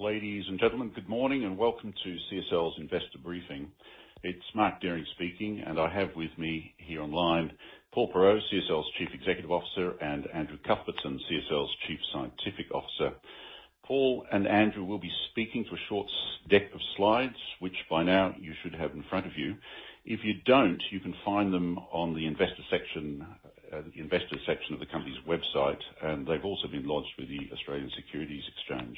Ladies and gentlemen, good morning and welcome to CSL's investor briefing. It's Mark Dehring speaking, and I have with me here online Paul Perreault, CSL's Chief Executive Officer, and Andrew Cuthbertson, CSL's Chief Scientific Officer. Paul and Andrew will be speaking to a short deck of slides, which by now you should have in front of you. If you don't, you can find them on the investor section of the company's website, and they've also been lodged with the Australian Securities Exchange.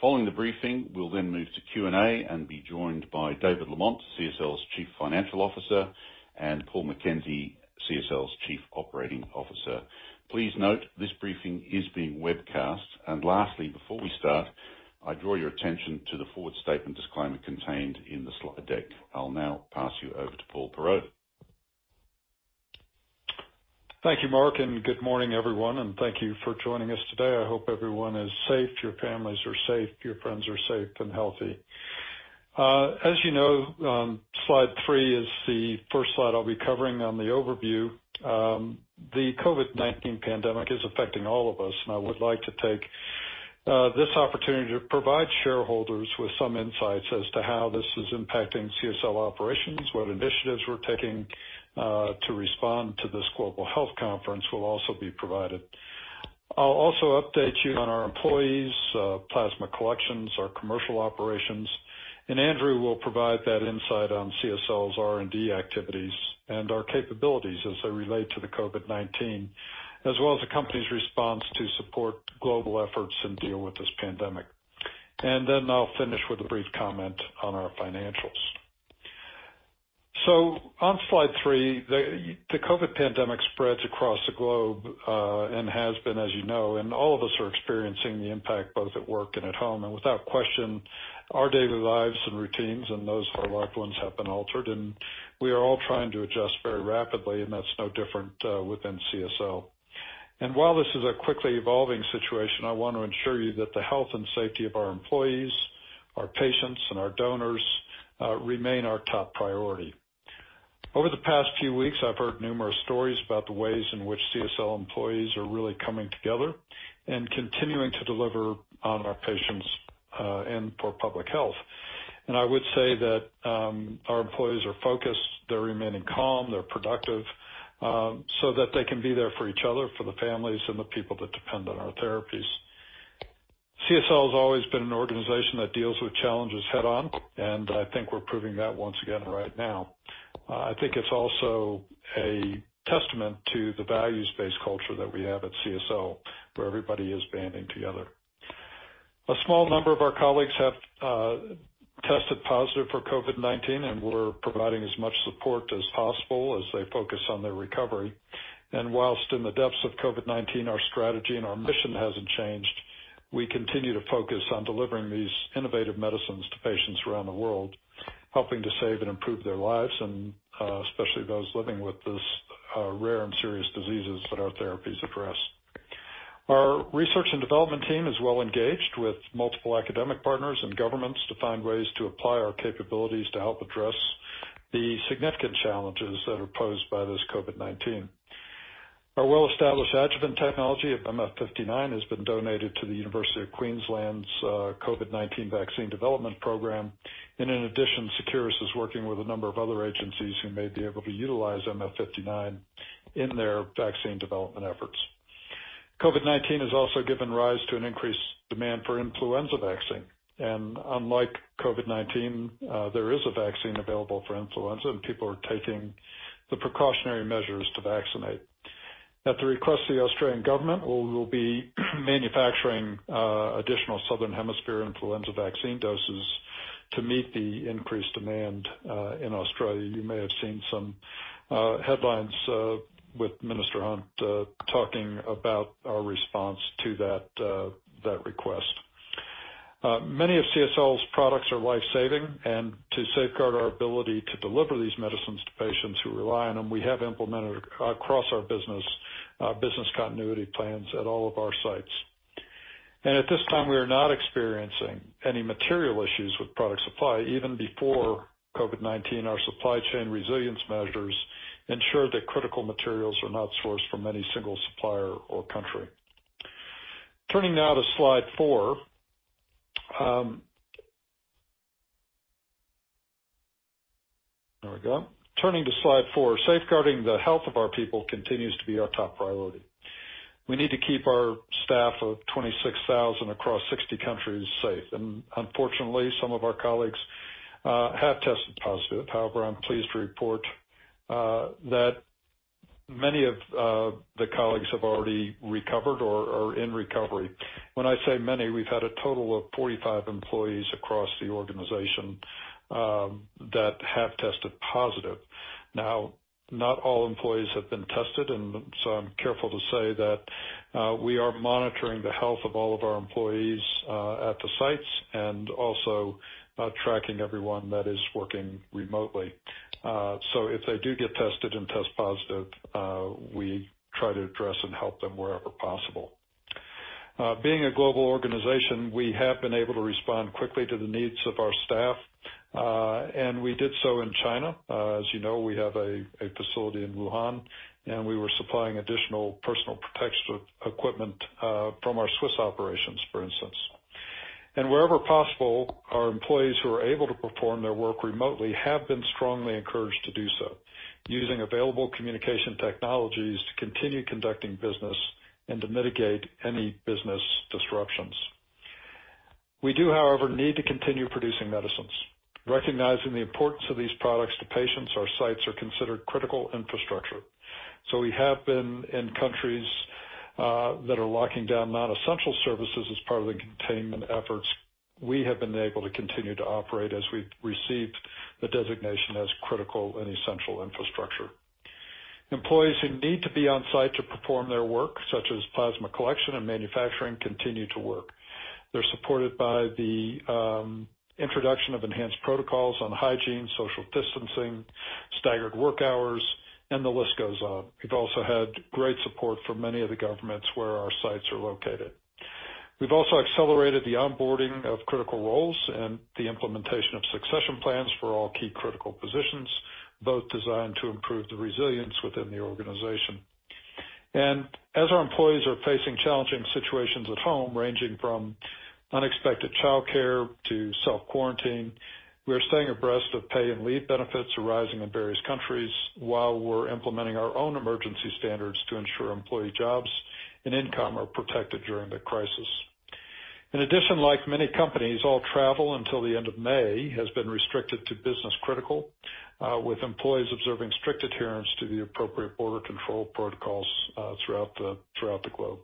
Following the briefing, we'll then move to Q&A and be joined by David Lamont, CSL's Chief Financial Officer, and Paul McKenzie, CSL's Chief Operating Officer. Please note this briefing is being webcast. Lastly, before we start, I draw your attention to the forward statement disclaimer contained in the slide deck. I'll now pass you over to Paul Perreault. Thank you, Mark. Good morning, everyone, and thank you for joining us today. I hope everyone is safe, your families are safe, your friends are safe and healthy. As you know, slide three is the first slide I'll be covering on the overview. The COVID-19 pandemic is affecting all of us, and I would like to take this opportunity to provide shareholders with some insights as to how this is impacting CSL operations, what initiatives we're taking to respond to this global health conference will also be provided. I'll also update you on our employees, plasma collections, our commercial operations, and Andrew will provide that insight on CSL's R&D activities and our capabilities as they relate to the COVID-19, as well as the company's response to support global efforts and deal with this pandemic. Then I'll finish with a brief comment on our financials. On slide three, the COVID pandemic spreads across the globe, and has been as you know, and all of us are experiencing the impact both at work and at home. Without question, our daily lives and routines and those of our loved ones have been altered, and we are all trying to adjust very rapidly, and that's no different within CSL. While this is a quickly evolving situation, I want to ensure you that the health and safety of our employees, our patients, and our donors remain our top priority. Over the past few weeks, I've heard numerous stories about the ways in which CSL employees are really coming together and continuing to deliver on our patients, and for public health. I would say that our employees are focused, they're remaining calm, they're productive, so that they can be there for each other, for the families and the people that depend on our therapies. CSL has always been an organization that deals with challenges head-on, and I think we're proving that once again right now. I think it's also a testament to the values-based culture that we have at CSL, where everybody is banding together. A small number of our colleagues have tested positive for COVID-19, we're providing as much support as possible as they focus on their recovery. Whilst in the depths of COVID-19, our strategy and our mission hasn't changed. We continue to focus on delivering these innovative medicines to patients around the world, helping to save and improve their lives, and especially those living with this rare and serious diseases that our therapies address. Our research and development team is well engaged with multiple academic partners and governments to find ways to apply our capabilities to help address the significant challenges that are posed by this COVID-19. Our well-established adjuvant technology of MF59 has been donated to The University of Queensland's COVID-19 vaccine development program. In addition, Seqirus is working with a number of other agencies who may be able to utilize MF59 in their vaccine development efforts. COVID-19 has also given rise to an increased demand for influenza vaccine. Unlike COVID-19, there is a vaccine available for influenza, and people are taking the precautionary measures to vaccinate. At the request of the Australian Government, we will be manufacturing additional Southern Hemisphere influenza vaccine doses to meet the increased demand in Australia. You may have seen some headlines with Minister Hunt talking about our response to that request. Many of CSL's products are life-saving, and to safeguard our ability to deliver these medicines to patients who rely on them, we have implemented across our business continuity plans at all of our sites. At this time, we are not experiencing any material issues with product supply. Even before COVID-19, our supply chain resilience measures ensured that critical materials are not sourced from any single supplier or country. Turning now to slide four. There we go. Turning to slide four, safeguarding the health of our people continues to be our top priority. We need to keep our staff of 26,000 across 60 countries safe. Unfortunately, some of our colleagues have tested positive. However, I'm pleased to report that many of the colleagues have already recovered or are in recovery. When I say many, we've had a total of 45 employees across the organization that have tested positive. Now, not all employees have been tested, I'm careful to say that we are monitoring the health of all of our employees at the sites and also tracking everyone that is working remotely. If they do get tested and test positive, we try to address and help them wherever possible. Being a global organization, we have been able to respond quickly to the needs of our staff. We did so in China. As you know, we have a facility in Wuhan, and we were supplying additional personal protection equipment from our Swiss operations, for instance. Wherever possible, our employees who are able to perform their work remotely have been strongly encouraged to do so using available communication technologies to continue conducting business and to mitigate any business disruptions. We do, however, need to continue producing medicines. Recognizing the importance of these products to patients, our sites are considered critical infrastructure. We have been in countries that are locking down non-essential services as part of the containment efforts. We have been able to continue to operate as we've received the designation as critical and essential infrastructure. Employees who need to be on-site to perform their work, such as plasma collection and manufacturing, continue to work. They're supported by the introduction of enhanced protocols on hygiene, social distancing, staggered work hours, and the list goes on. We've also had great support from many of the governments where our sites are located. We've also accelerated the onboarding of critical roles and the implementation of succession plans for all key critical positions, both designed to improve the resilience within the organization. As our employees are facing challenging situations at home, ranging from unexpected childcare to self-quarantine, we are staying abreast of pay and leave benefits arising in various countries while we're implementing our own emergency standards to ensure employee jobs and income are protected during the crisis. In addition, like many companies, all travel until the end of May has been restricted to business-critical, with employees observing strict adherence to the appropriate border control protocols throughout the globe.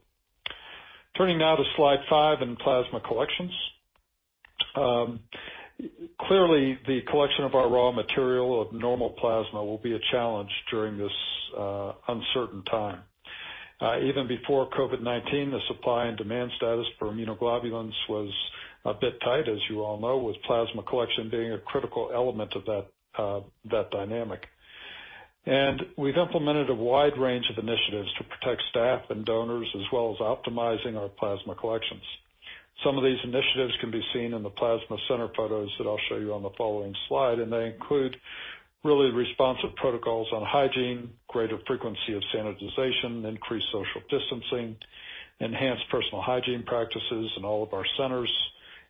Turning now to slide five in plasma collections. Clearly, the collection of our raw material of normal plasma will be a challenge during this uncertain time. Even before COVID-19, the supply and demand status for immunoglobulins was a bit tight, as you all know, with plasma collection being a critical element of that dynamic. We've implemented a wide range of initiatives to protect staff and donors, as well as optimizing our plasma collections. Some of these initiatives can be seen in the plasma center photos that I'll show you on the following slide. They include really responsive protocols on hygiene, greater frequency of sanitization, increased social distancing, enhanced personal hygiene practices in all of our centers,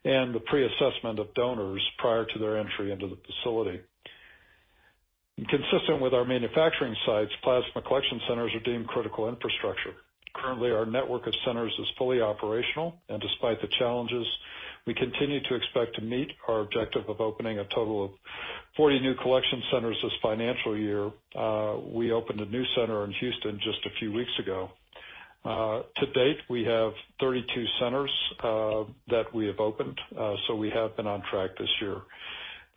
and the pre-assessment of donors prior to their entry into the facility. Consistent with our manufacturing sites, plasma collection centers are deemed critical infrastructure. Currently, our network of centers is fully operational. Despite the challenges, we continue to expect to meet our objective of opening a total of 40 new collection centers this financial year. We opened a new center in Houston just a few weeks ago. To date, we have 32 centers that we have opened. We have been on track this year.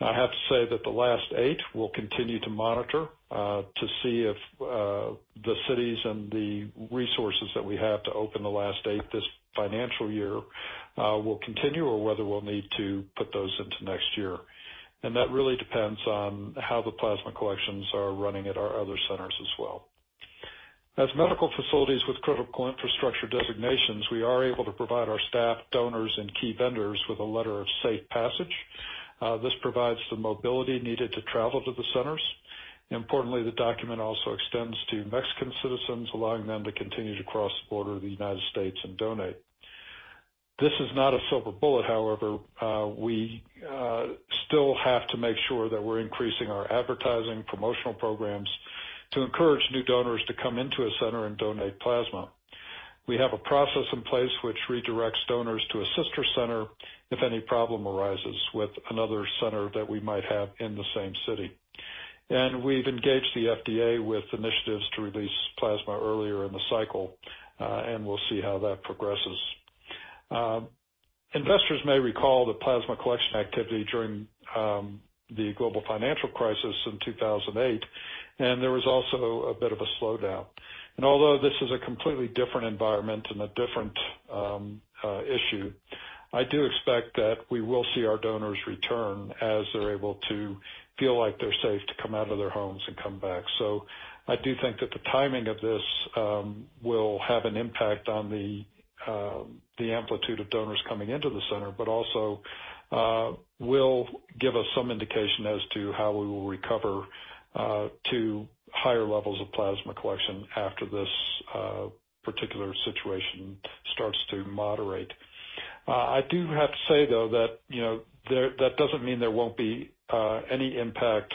I have to say that the last eight we'll continue to monitor to see if the cities and the resources that we have to open the last eight this financial year will continue, or whether we'll need to put those into next year. That really depends on how the plasma collections are running at our other centers as well. As medical facilities with critical infrastructure designations, we are able to provide our staff, donors, and key vendors with a letter of safe passage. This provides the mobility needed to travel to the centers. Importantly, the document also extends to Mexican citizens, allowing them to continue to cross the border of the United States and donate. This is not a silver bullet, however. We still have to make sure that we're increasing our advertising promotional programs to encourage new donors to come into a center and donate plasma. We have a process in place which redirects donors to a sister center if any problem arises with another center that we might have in the same city. We've engaged the FDA with initiatives to release plasma earlier in the cycle, and we'll see how that progresses. Investors may recall the plasma collection activity during the global financial crisis in 2008, and there was also a bit of a slowdown. Although this is a completely different environment and a different issue, I do expect that we will see our donors return as they're able to feel like they're safe to come out of their homes and come back. I do think that the timing of this will have an impact on the amplitude of donors coming into the center, but also will give us some indication as to how we will recover to higher levels of plasma collection after this particular situation starts to moderate. I do have to say, though, that doesn't mean there won't be any impact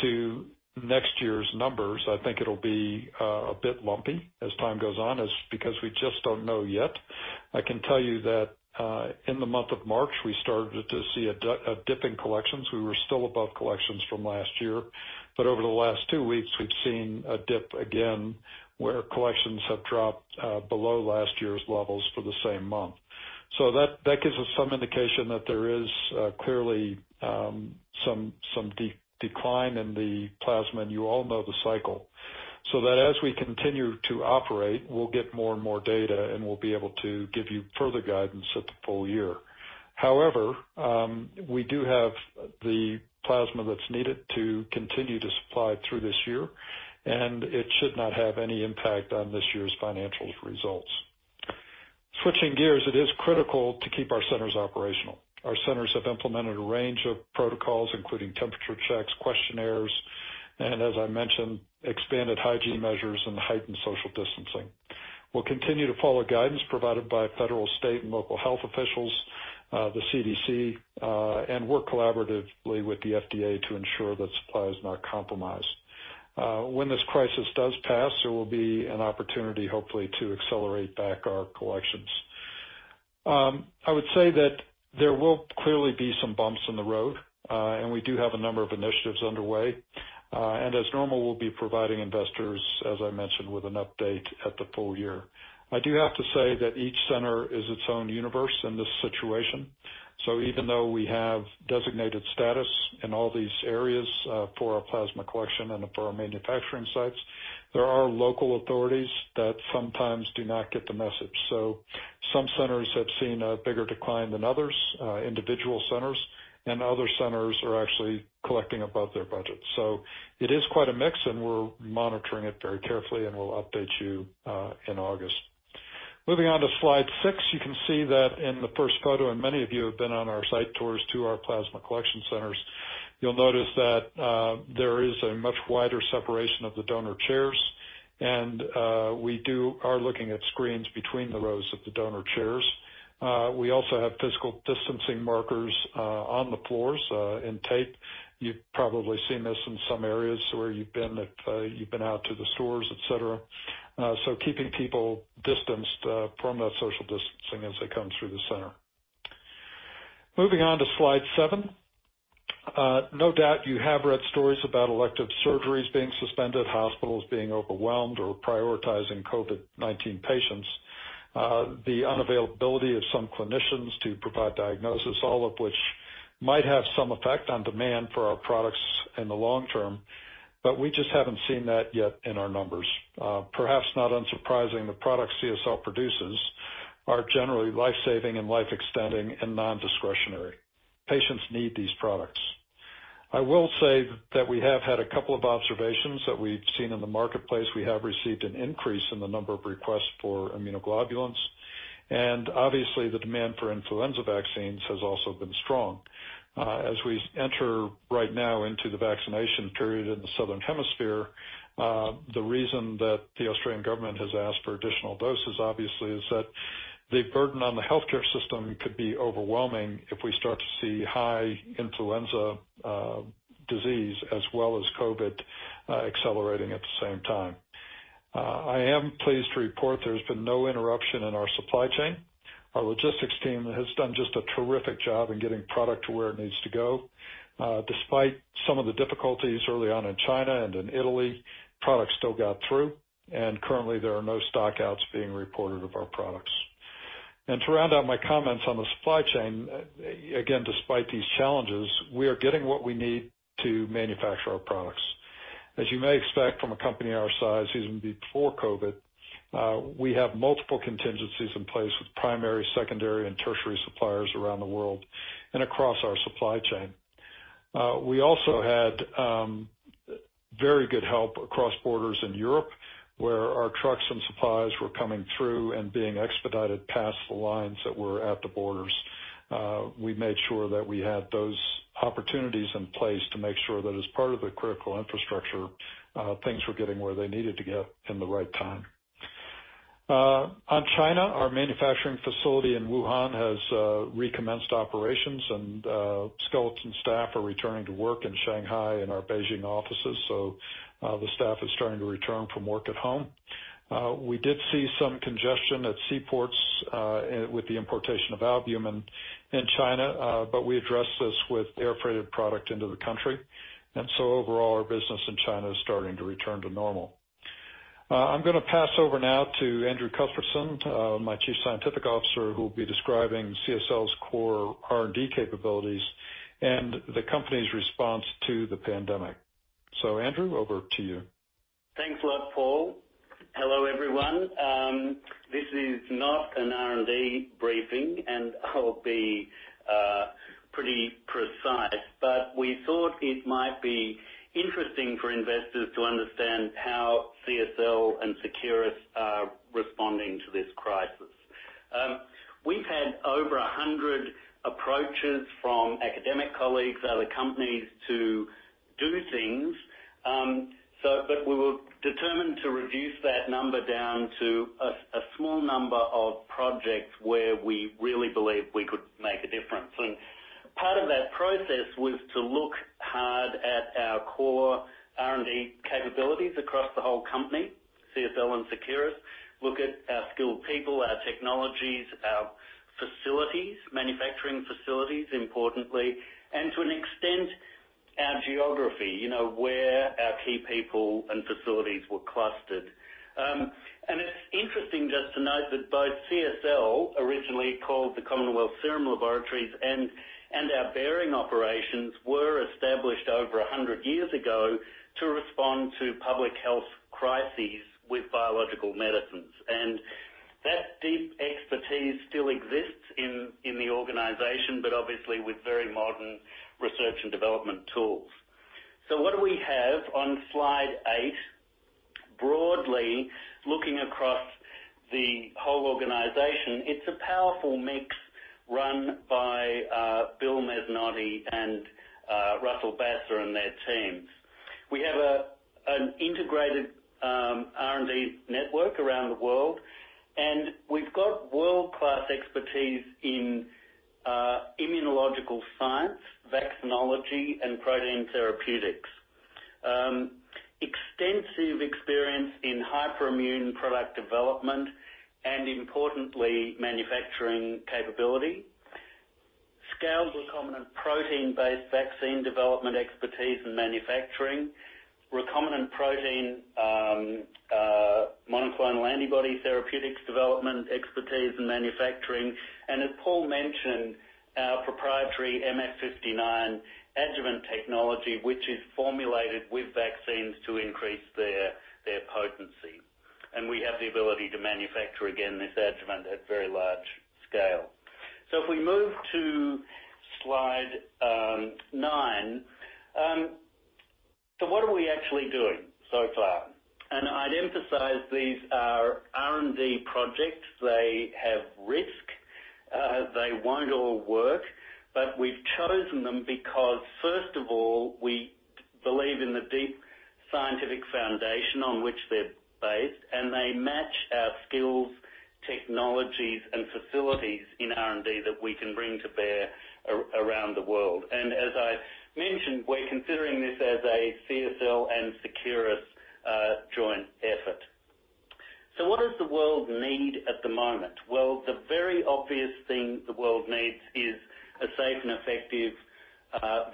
to next year's numbers. I think it'll be a bit lumpy as time goes on because we just don't know yet. I can tell you that in the month of March, we started to see a dip in collections. We were still above collections from last year, but over the last two weeks, we've seen a dip again where collections have dropped below last year's levels for the same month. That gives us some indication that there is clearly some decline in the plasma, and you all know the cycle, so that as we continue to operate, we'll get more and more data, and we'll be able to give you further guidance at the full year. However, we do have the plasma that's needed to continue to supply through this year, and it should not have any impact on this year's financial results. Switching gears, it is critical to keep our centers operational. Our centers have implemented a range of protocols, including temperature checks, questionnaires, and as I mentioned, expanded hygiene measures and heightened social distancing. We'll continue to follow guidance provided by federal, state, and local health officials, the CDC, and work collaboratively with the FDA to ensure that supply is not compromised. When this crisis does pass, there will be an opportunity, hopefully, to accelerate back our collections. I would say that there will clearly be some bumps in the road, and we do have a number of initiatives underway. As normal, we'll be providing investors, as I mentioned, with an update at the full year. I do have to say that each center is its own universe in this situation. Even though we have designated status in all these areas for our plasma collection and for our manufacturing sites, there are local authorities that sometimes do not get the message. Some centers have seen a bigger decline than others, individual centers, and other centers are actually collecting above their budget. It is quite a mix, and we're monitoring it very carefully, and we'll update you in August. Moving on to slide six. You can see that in the first photo, and many of you have been on our site tours to our plasma collection centers, you'll notice that there is a much wider separation of the donor chairs and we are looking at screens between the rows of the donor chairs. We also have physical distancing markers on the floors in tape. You've probably seen this in some areas where you've been out to the stores, et cetera. Keeping people distanced from that social distancing as they come through the center. Moving on to slide seven. No doubt you have read stories about elective surgeries being suspended, hospitals being overwhelmed or prioritizing COVID-19 patients, the unavailability of some clinicians to provide diagnosis, all of which might have some effect on demand for our products in the long term, we just haven't seen that yet in our numbers. Perhaps not unsurprising, the products CSL produces are generally life-saving and life-extending and non-discretionary. Patients need these products. I will say that we have had a couple of observations that we've seen in the marketplace. We have received an increase in the number of requests for immunoglobulins, and obviously the demand for influenza vaccines has also been strong. As we enter right now into the vaccination period in the Southern Hemisphere, the reason that the Australian Government has asked for additional doses, obviously, is that the burden on the healthcare system could be overwhelming if we start to see high influenza disease as well as COVID accelerating at the same time. I am pleased to report there's been no interruption in our supply chain. Our logistics team has done just a terrific job in getting product to where it needs to go. Despite some of the difficulties early on in China and in Italy, product still got through, and currently there are no stock-outs being reported of our products. To round out my comments on the supply chain, again, despite these challenges, we are getting what we need to manufacture our products. As you may expect from a company our size, even before COVID, we have multiple contingencies in place with primary, secondary, and tertiary suppliers around the world and across our supply chain. We also had very good help across borders in Europe, where our trucks and supplies were coming through and being expedited past the lines that were at the borders. We made sure that we had those opportunities in place to make sure that as part of the critical infrastructure, things were getting where they needed to get in the right time. On China, our manufacturing facility in Wuhan has recommenced operations and skeleton staff are returning to work in Shanghai and our Beijing offices. The staff is starting to return from work at home. We did see some congestion at seaports with the importation of albumin in China, but we addressed this with air freighted product into the country. Overall, our business in China is starting to return to normal. I'm going to pass over now to Andrew Cuthbertson, my Chief Scientific Officer, who will be describing CSL's core R&D capabilities and the company's response to the pandemic. Andrew, over to you. Thanks a lot, Paul. Hello, everyone. This is not an R&D briefing. I'll be pretty precise, we thought it might be interesting for investors to understand how CSL and Seqirus are responding to this crisis. We've had over 100 approaches from academic colleagues, other companies to do things. We were determined to reduce that number down to a small number of projects where we really believe we could make a difference. Part of that process was to look hard at our core R&D capabilities across the whole company, CSL and Seqirus. Look at our skilled people, our technologies, our facilities, manufacturing facilities, importantly, and to an extent, our geography. Where our key people and facilities were clustered. It's interesting just to note that both CSL, originally called the Commonwealth Serum Laboratories, and our Behring operations were established over 100 years ago to respond to public health crises with biological medicines. That deep expertise still exists in the organization, but obviously with very modern research and development tools. What do we have on slide eight? Broadly, looking across the whole organization, it's a powerful mix run by Bill Mezzanotte and Russell Basser and their teams. We have an integrated R&D network around the world, and we've got world-class expertise in immunological science, vaccinology, and protein therapeutics. Extensive experience in hyperimmune product development, and importantly, manufacturing capability. Scaled recombinant protein-based vaccine development expertise in manufacturing, recombinant protein, monoclonal antibody therapeutics development expertise in manufacturing, and as Paul mentioned, our proprietary MF59 adjuvant technology, which is formulated with vaccines to increase their potency. We have the ability to manufacture, again, this adjuvant at very large scale. If we move to slide nine. What are we actually doing so far? I'd emphasize these are R&D projects. They have risk. They won't all work. We've chosen them because, first of all, we believe in the deep scientific foundation on which they're based, and they match our skills, technologies, and facilities in R&D that we can bring to bear around the world. As I mentioned, we're considering this as a CSL and Seqirus joint effort. What does the world need at the moment? Well, the very obvious thing the world needs is a safe and effective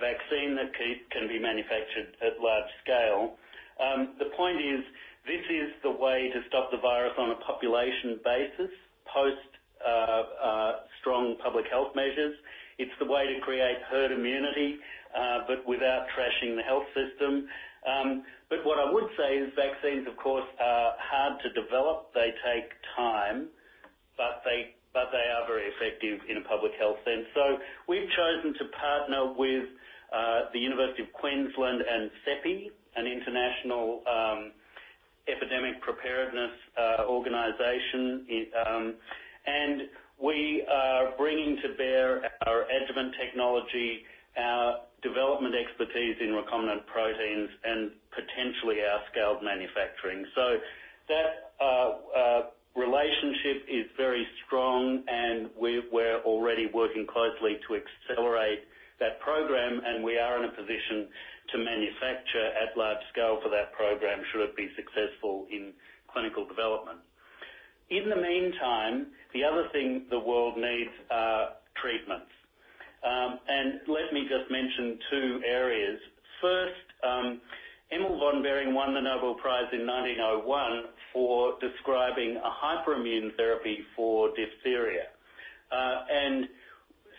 vaccine that can be manufactured at large scale. The point is, this is the way to stop the virus on a population basis post strong public health measures. It's the way to create herd immunity, but without trashing the health system. What I would say is vaccines, of course, are hard to develop. They take time. They are very effective in a public health sense. We've chosen to partner with The University of Queensland and CEPI, an international epidemic preparedness organization. We are bringing to bear our adjuvant technology, our development expertise in recombinant proteins, and potentially our scaled manufacturing. That relationship is very strong, and we're already working closely to accelerate that program, and we are in a position to manufacture at large scale for that program, should it be successful in clinical development. In the meantime, the other thing the world needs are treatments. Let me just mention two areas. First, Emil von Behring won the Nobel Prize in 1901 for describing a hyperimmune therapy for diphtheria.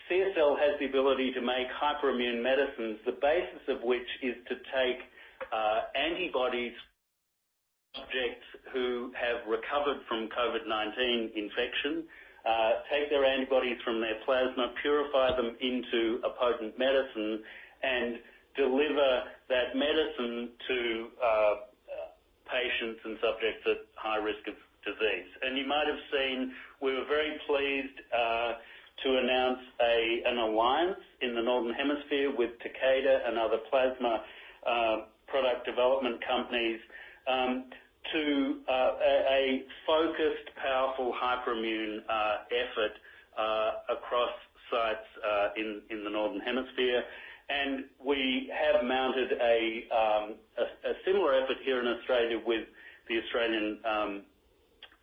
CSL has the ability to make hyperimmune medicines, the basis of which is to take antibodies from subjects who have recovered from COVID-19 infection, take their antibodies from their plasma, purify them into a potent medicine, and deliver that medicine to patients and subjects at high risk of disease. You might have seen we were very pleased to announce an alliance in the Northern Hemisphere with Takeda and other plasma product development companies to a focused, powerful hyperimmune effort across sites in the Northern Hemisphere. We have mounted a similar effort here in Australia with the Australian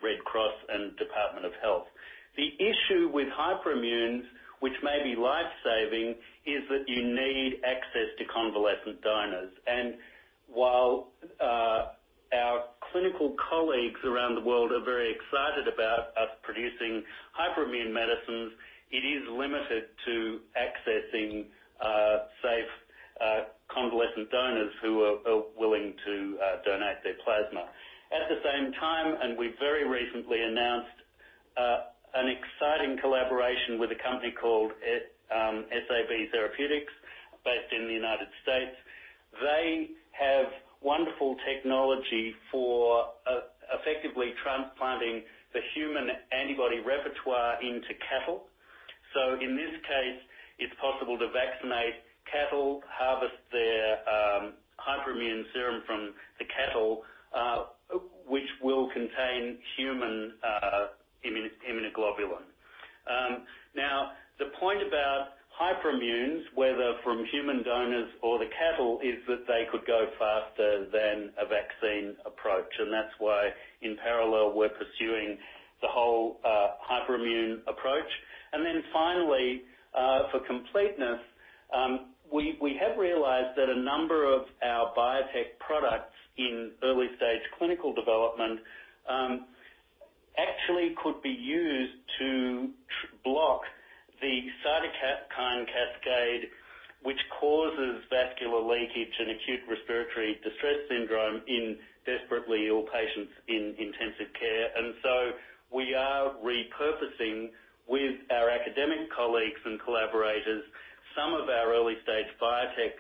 Red Cross and Department of Health. The issue with hyperimmunes, which may be life-saving, is that you need access to convalescent donors. While our clinical colleagues around the world are very excited about us producing hyperimmune medicines, it is limited to accessing safe convalescent donors who are willing to donate their plasma. At the same time, we very recently announced an exciting collaboration with a company called SAB Therapeutics, based in the U.S. They have wonderful technology for effectively transplanting the human antibody repertoire into cattle. In this case, it's possible to vaccinate cattle, harvest their hyperimmune serum from the cattle, which will contain human immunoglobulin. The point about hyperimmunes, whether from human donors or the cattle, is that they could go faster than a vaccine approach. That's why, in parallel, we're pursuing the whole hyperimmune approach. Finally, for completeness, we have realized that a number of our biotech products in early-stage clinical development actually could be used to block the cytokine cascade, which causes vascular leakage and acute respiratory distress syndrome in desperately ill patients in intensive care. We are repurposing with our academic colleagues and collaborators, some of our early-stage biotech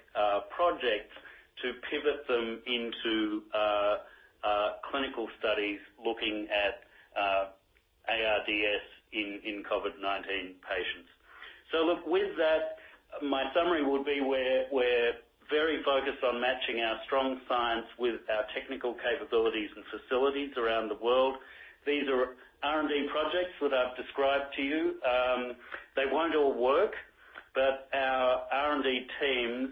projects to pivot them into studies looking at ARDS in COVID-19 patients. Look, with that, my summary would be we're very focused on matching our strong science with our technical capabilities and facilities around the world. These are R&D projects that I've described to you. They won't all work, our R&D teams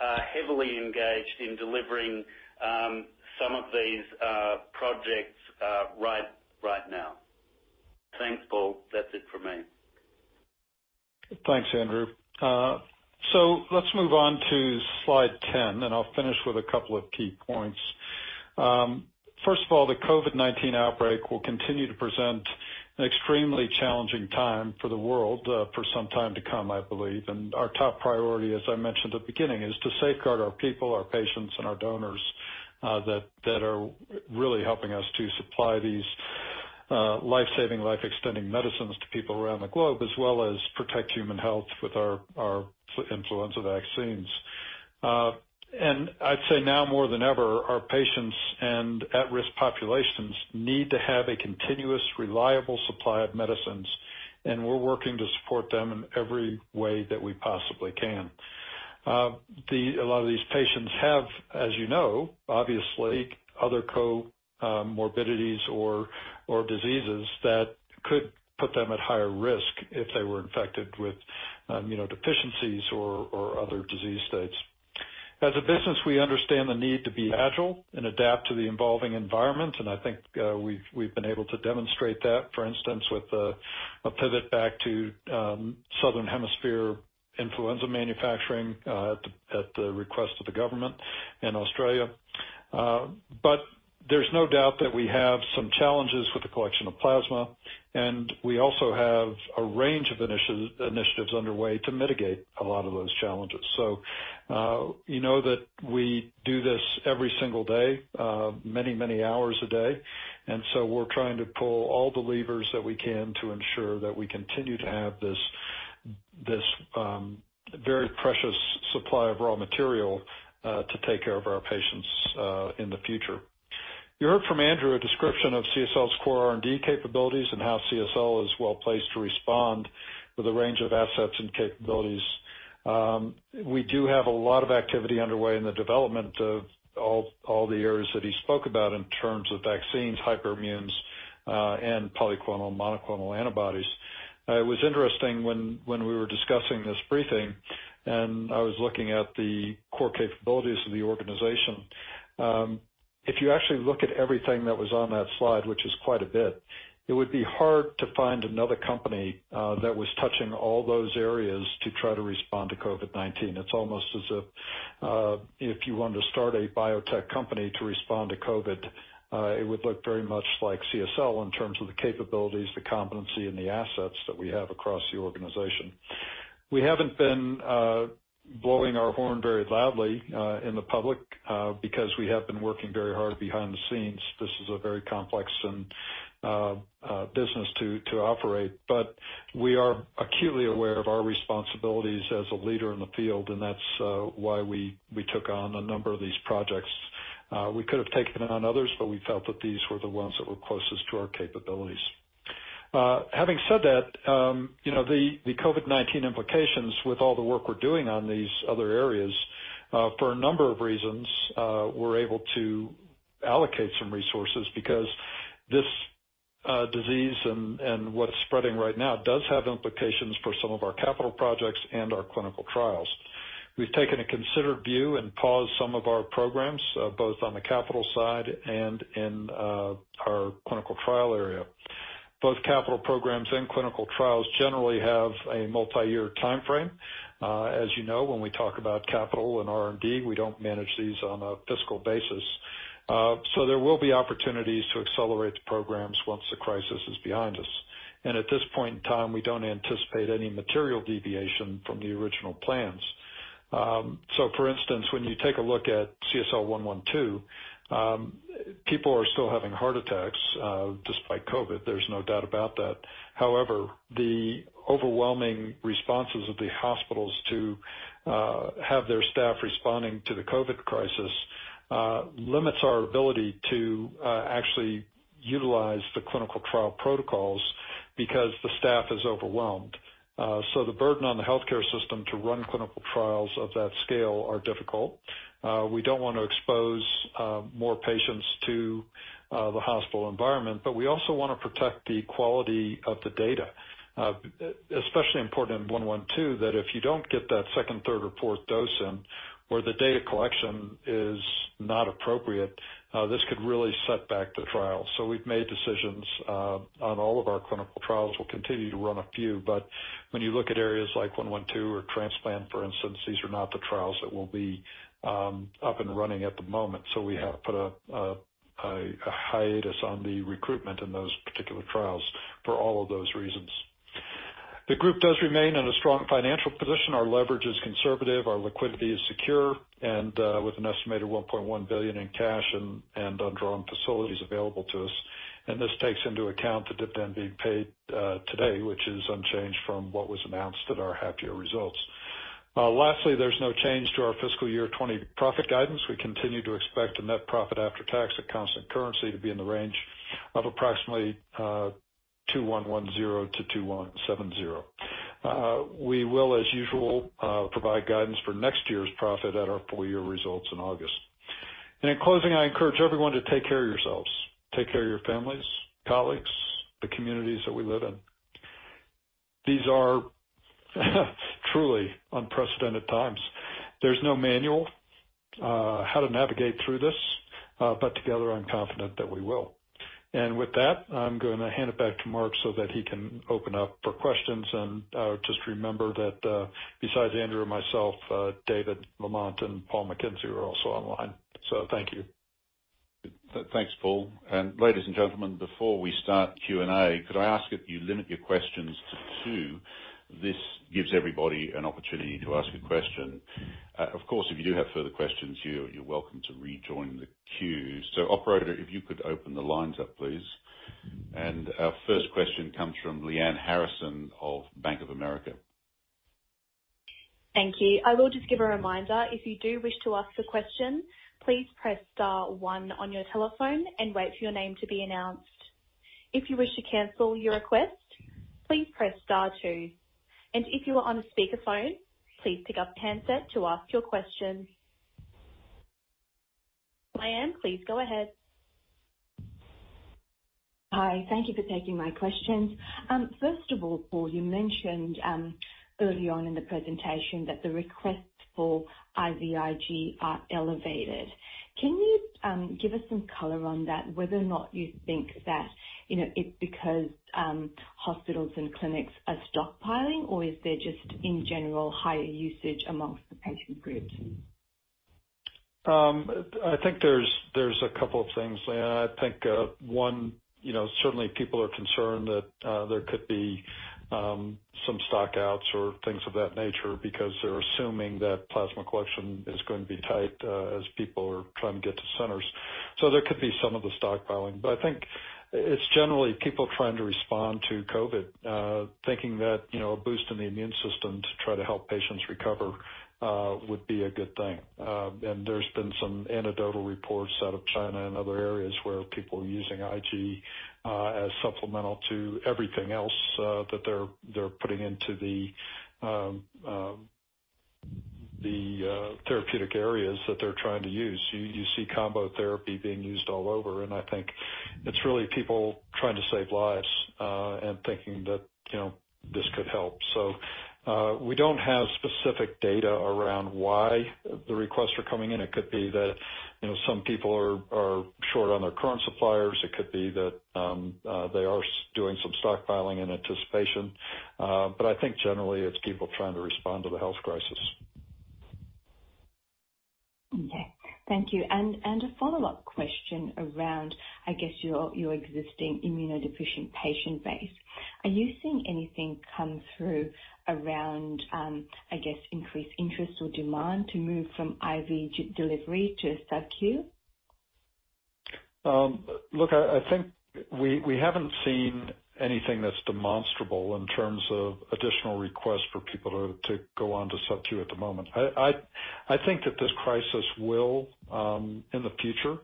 are heavily engaged in delivering some of these projects right now. Thanks, Paul. That's it for me. Thanks, Andrew. Let's move on to slide 10, and I'll finish with a couple of key points. First of all, the COVID-19 outbreak will continue to present an extremely challenging time for the world for some time to come, I believe. Our top priority, as I mentioned at the beginning, is to safeguard our people, our patients, and our donors that are really helping us to supply these life-saving, life-extending medicines to people around the globe, as well as protect human health with our influenza vaccines. I'd say now more than ever, our patients and at-risk populations need to have a continuous, reliable supply of medicines, and we're working to support them in every way that we possibly can. A lot of these patients have, as you know, obviously, other comorbidities or diseases that could put them at higher risk if they were infected with immunodeficiencies or other disease states. I think we've been able to demonstrate that, for instance, with a pivot back to southern hemisphere influenza manufacturing at the request of the government in Australia. There's no doubt that we have some challenges with the collection of plasma, and we also have a range of initiatives underway to mitigate a lot of those challenges. You know that we do this every single day, many, many hours a day. We're trying to pull all the levers that we can to ensure that we continue to have this very precious supply of raw material to take care of our patients in the future. You heard from Andrew a description of CSL's core R&D capabilities and how CSL is well-placed to respond with a range of assets and capabilities. We do have a lot of activity underway in the development of all the areas that he spoke about in terms of vaccines, hyperimmunes, and polyclonal/monoclonal antibodies. It was interesting when we were discussing this briefing, and I was looking at the core capabilities of the organization. If you actually look at everything that was on that slide, which is quite a bit, it would be hard to find another company that was touching all those areas to try to respond to COVID-19. It's almost as if you want to start a biotech company to respond to COVID-19. It would look very much like CSL in terms of the capabilities, the competency, and the assets that we have across the organization. We haven't been blowing our horn very loudly in the public, because we have been working very hard behind the scenes. This is a very complex business to operate. We are acutely aware of our responsibilities as a leader in the field, and that's why we took on a number of these projects. We could have taken on others, but we felt that these were the ones that were closest to our capabilities. Having said that, the COVID-19 implications with all the work we're doing on these other areas, for a number of reasons, we're able to allocate some resources because this disease and what's spreading right now does have implications for some of our capital projects and our clinical trials. We've taken a considered view and paused some of our programs, both on the capital side and in our clinical trial area. Both capital programs and clinical trials generally have a multi-year timeframe. As you know, when we talk about capital and R&D, we don't manage these on a fiscal basis. There will be opportunities to accelerate the programs once the crisis is behind us. At this point in time, we don't anticipate any material deviation from the original plans. For instance, when you take a look at CSL112, people are still having heart attacks despite COVID. There's no doubt about that. However, the overwhelming responses of the hospitals to have their staff responding to the COVID crisis limits our ability to actually utilize the clinical trial protocols because the staff is overwhelmed. The burden on the healthcare system to run clinical trials of that scale are difficult. We don't want to expose more patients to the hospital environment, but we also want to protect the quality of the data. Especially important in CSL112, that if you don't get that second, third, or fourth dose in, where the data collection is not appropriate, this could really set back the trial. We've made decisions on all of our clinical trials. We'll continue to run a few. When you look at areas like CSL112 or transplant, for instance, these are not the trials that will be up and running at the moment. We have put a hiatus on the recruitment in those particular trials for all of those reasons. The group does remain in a strong financial position. Our leverage is conservative. Our liquidity is secure and with an estimated 1.1 billion in cash and undrawn facilities available to us. This takes into account the dividend being paid today, which is unchanged from what was announced at our half-year results. Lastly, there's no change to our FY 2020 profit guidance. We continue to expect a net profit after tax at constant currency to be in the range of approximately 2,110-2,170. We will, as usual, provide guidance for next year's profit at our full-year results in August. In closing, I encourage everyone to take care of yourselves, take care of your families, colleagues, the communities that we live in. These are truly unprecedented times. There's no manual on how to navigate through this. Together, I'm confident that we will. With that, I'm going to hand it back to Mark so that he can open up for questions. Just remember that, besides Andrew and myself, David Lamont and Paul McKenzie are also online. Thank you. Thanks, Paul. Ladies and gentlemen, before we start Q&A, could I ask that you limit your questions to two? This gives everybody an opportunity to ask a question. Of course, if you do have further questions, you're welcome to rejoin the queue. Operator, if you could open the lines up, please. Our first question comes from Lyanne Harrison of Bank of America. Thank you. I will just give a reminder, if you do wish to ask a question, please press star one on your telephone and wait for your name to be announced. If you wish to cancel your request, please press star two. If you are on a speakerphone, please pick up the handset to ask your question. Lyanne, please go ahead. Hi. Thank you for taking my questions. First of all, Paul, you mentioned early on in the presentation that the requests for IVIG are elevated. Can you give us some color on that, whether or not you think that it's because hospitals and clinics are stockpiling, or is there just in general higher usage amongst the patient groups? I think there's a couple of things. I think one, certainly people are concerned that there could be some stock outs or things of that nature because they're assuming that plasma collection is going to be tight as people are trying to get to centers. There could be some of the stockpiling. I think it's generally people trying to respond to COVID, thinking that a boost in the immune system to try to help patients recover would be a good thing. There's been some anecdotal reports out of China and other areas where people are using IG as supplemental to everything else that they're putting into the therapeutic areas that they're trying to use. You see combo therapy being used all over, and I think it's really people trying to save lives and thinking that this could help. We don't have specific data around why the requests are coming in. It could be that some people are short on their current suppliers. It could be that they are doing some stockpiling in anticipation. I think generally it's people trying to respond to the health crisis. Okay. Thank you. A follow-up question around, I guess, your existing immunodeficient patient base, are you seeing anything come through around, I guess, increased interest or demand to move from IV delivery to sub-Q? Look, I think we haven't seen anything that's demonstrable in terms of additional requests for people to go on to sub-Q at the moment. I think that this crisis will, in the future,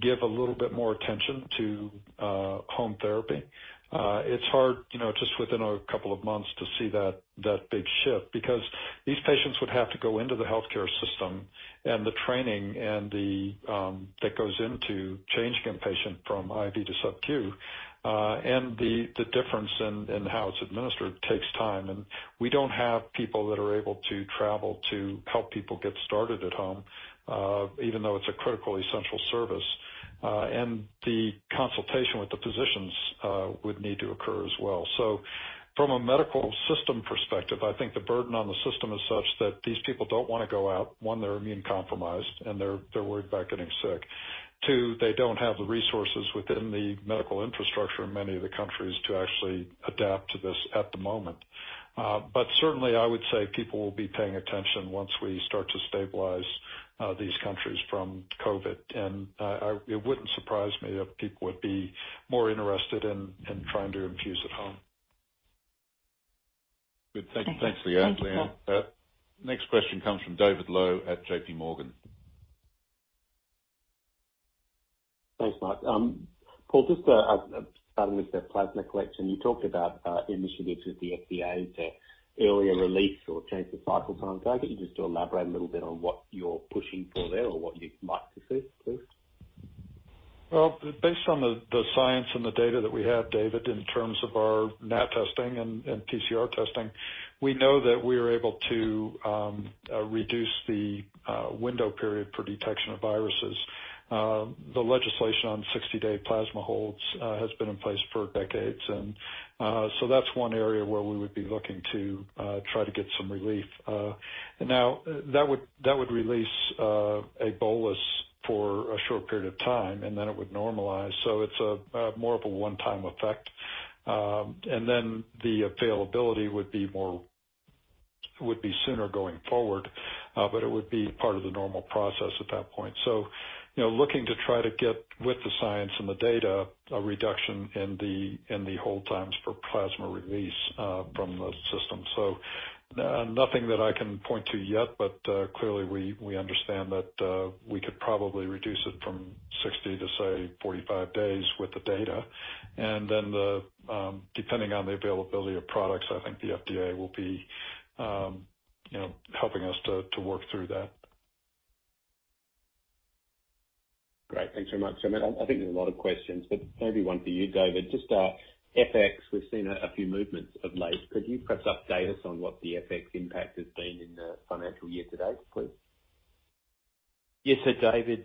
give a little bit more attention to home therapy. It's hard just within a couple of months to see that big shift because these patients would have to go into the healthcare system and the training that goes into changing a patient from IV to sub-Q, and the difference in how it's administered takes time. We don't have people that are able to travel to help people get started at home even though it's a critically central service. The consultation with the physicians would need to occur as well. From a medical system perspective, I think the burden on the system is such that these people don't want to go out. One, they're immune-compromised and they're worried about getting sick. Two, they don't have the resources within the medical infrastructure in many of the countries to actually adapt to this at the moment. Certainly I would say people will be paying attention once we start to stabilize these countries from COVID. It wouldn't surprise me if people would be more interested in trying to infuse at home. Good. Thanks, Lyanne. Thank you, Paul. Next question comes from David Low at JPMorgan. Thanks, Mark. Paul, just starting with the plasma collection, you talked about initiatives with the FDA to earlier release or change the cycle times. Can I get you just to elaborate a little bit on what you're pushing for there or what you'd like to see, please? Well, based on the science and the data that we have, David, in terms of our NAT testing and PCR testing, we know that we are able to reduce the window period for detection of viruses. The legislation on 60-day plasma holds has been in place for decades. That's one area where we would be looking to try to get some relief. Now, that would release a bolus for a short period of time, and then it would normalize. It's more of a one-time effect. The availability would be sooner going forward. But it would be part of the normal process at that point. Looking to try to get with the science and the data, a reduction in the hold times for plasma release from the system. Nothing that I can point to yet, but clearly we understand that we could probably reduce it from 60 to say 45 days with the data. Depending on the availability of products, I think the FDA will be helping us to work through that. Great. Thanks very much. I think there's a lot of questions, maybe one for you, David. Just FX, we've seen a few movements of late. Could you perhaps update us on what the FX impact has been in the financial year to date, please? Yes, sir, David.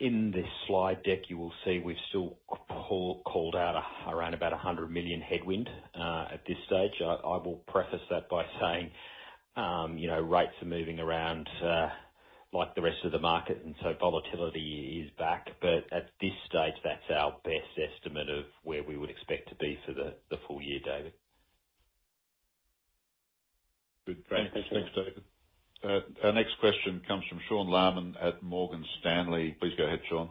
In the slide deck, you will see we've still called out around about 100 million headwind at this stage. I will preface that by saying rates are moving around like the rest of the market, volatility is back. At this stage, that's our best estimate of where we would expect to be for the full year, David. Good. Great. Thanks, David. Our next question comes from Sean Laaman at Morgan Stanley. Please go ahead, Sean.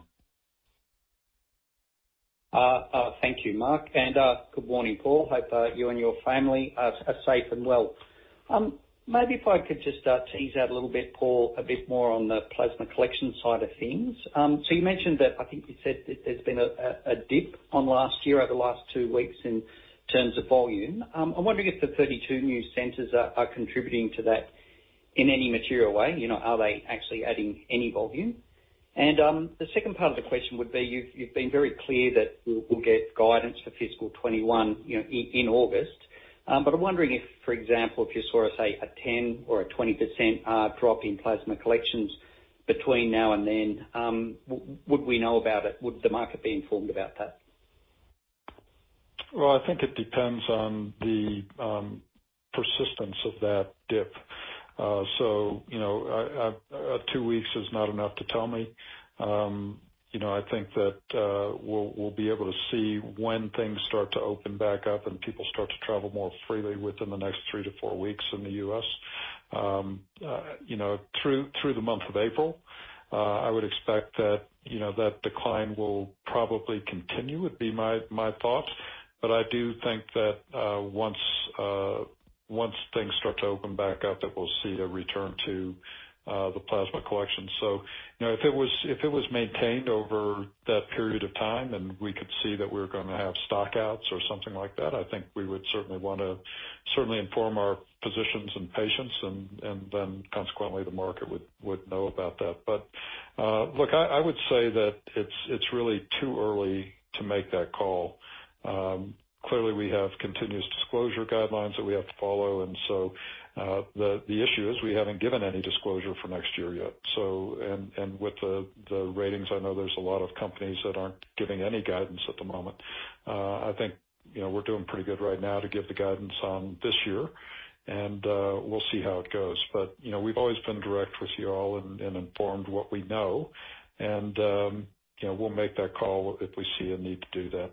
Thank you, Mark. Good morning, Paul. Hope you and your family are safe and well. Maybe if I could just tease out a little bit, Paul, a bit more on the plasma collection side of things. You mentioned that I think you said that there's been a dip on last year over the last two weeks in terms of volume. I'm wondering if the 32 new centers are contributing to that in any material way. Are they actually adding any volume? The second part of the question would be, you've been very clear that we'll get guidance for fiscal 2021 in August. I'm wondering if, for example, if you saw, say, a 10% or a 20% drop in plasma collections between now and then, would we know about it? Would the market be informed about that? Well, I think it depends on the persistence of that dip. Two weeks is not enough to tell me. I think that we'll be able to see when things start to open back up and people start to travel more freely within the next three to four weeks in the U.S. Through the month of April, I would expect that decline will probably continue, would be my thoughts. I do think that once things start to open back up, that we'll see a return to the plasma collection. If it was maintained over that period of time and we could see that we were going to have stock outs or something like that, I think we would certainly want to inform our physicians and patients and then consequently the market would know about that. Look, I would say that it's really too early to make that call. Clearly, we have continuous disclosure guidelines that we have to follow and so the issue is we haven't given any disclosure for next year yet. With the ratings, I know there's a lot of companies that aren't giving any guidance at the moment. I think we're doing pretty good right now to give the guidance on this year and we'll see how it goes. We've always been direct with you all and informed what we know and we'll make that call if we see a need to do that.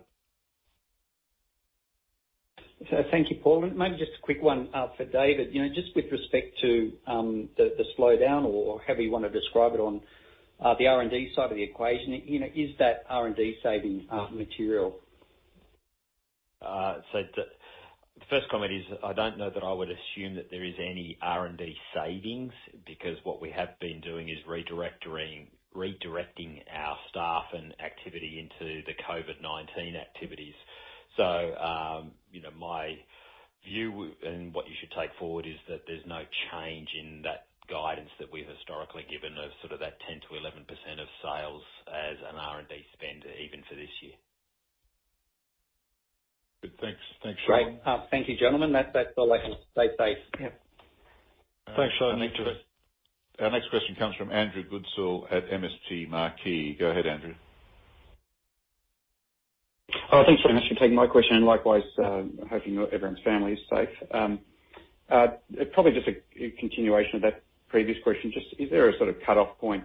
Thank you, Paul. Maybe just a quick one for David. Just with respect to the slowdown or however you want to describe it on the R&D side of the equation, is that R&D saving material? The first comment is, I don't know that I would assume that there is any R&D savings because what we have been doing is redirecting our staff and activity into the COVID-19 activities. My view and what you should take forward is that there's no change in that guidance that we've historically given of sort of that 10%-11% of sales as an R&D spend even for this year. Good. Thanks, Sean. Great. Thank you, gentlemen. Stay safe. Yeah. Thanks, Sean. Our next question comes from Andrew Goodsall at MST Marquee. Go ahead, Andrew. Thanks very much for taking my question. Likewise, hoping everyone's family is safe. Probably just a continuation of that previous question. Is there a sort of cutoff point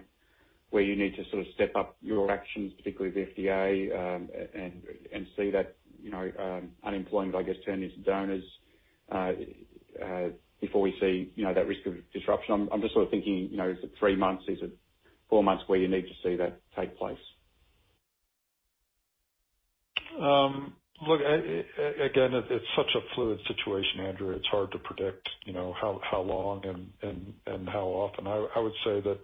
where you need to sort of step up your actions, particularly with the FDA and see that unemployment, I guess, turn into donors before we see that risk of disruption? I'm just sort of thinking, is it three months? Is it four months where you need to see that take place? Look, again, it's such a fluid situation, Andrew. It's hard to predict how long and how often. I would say that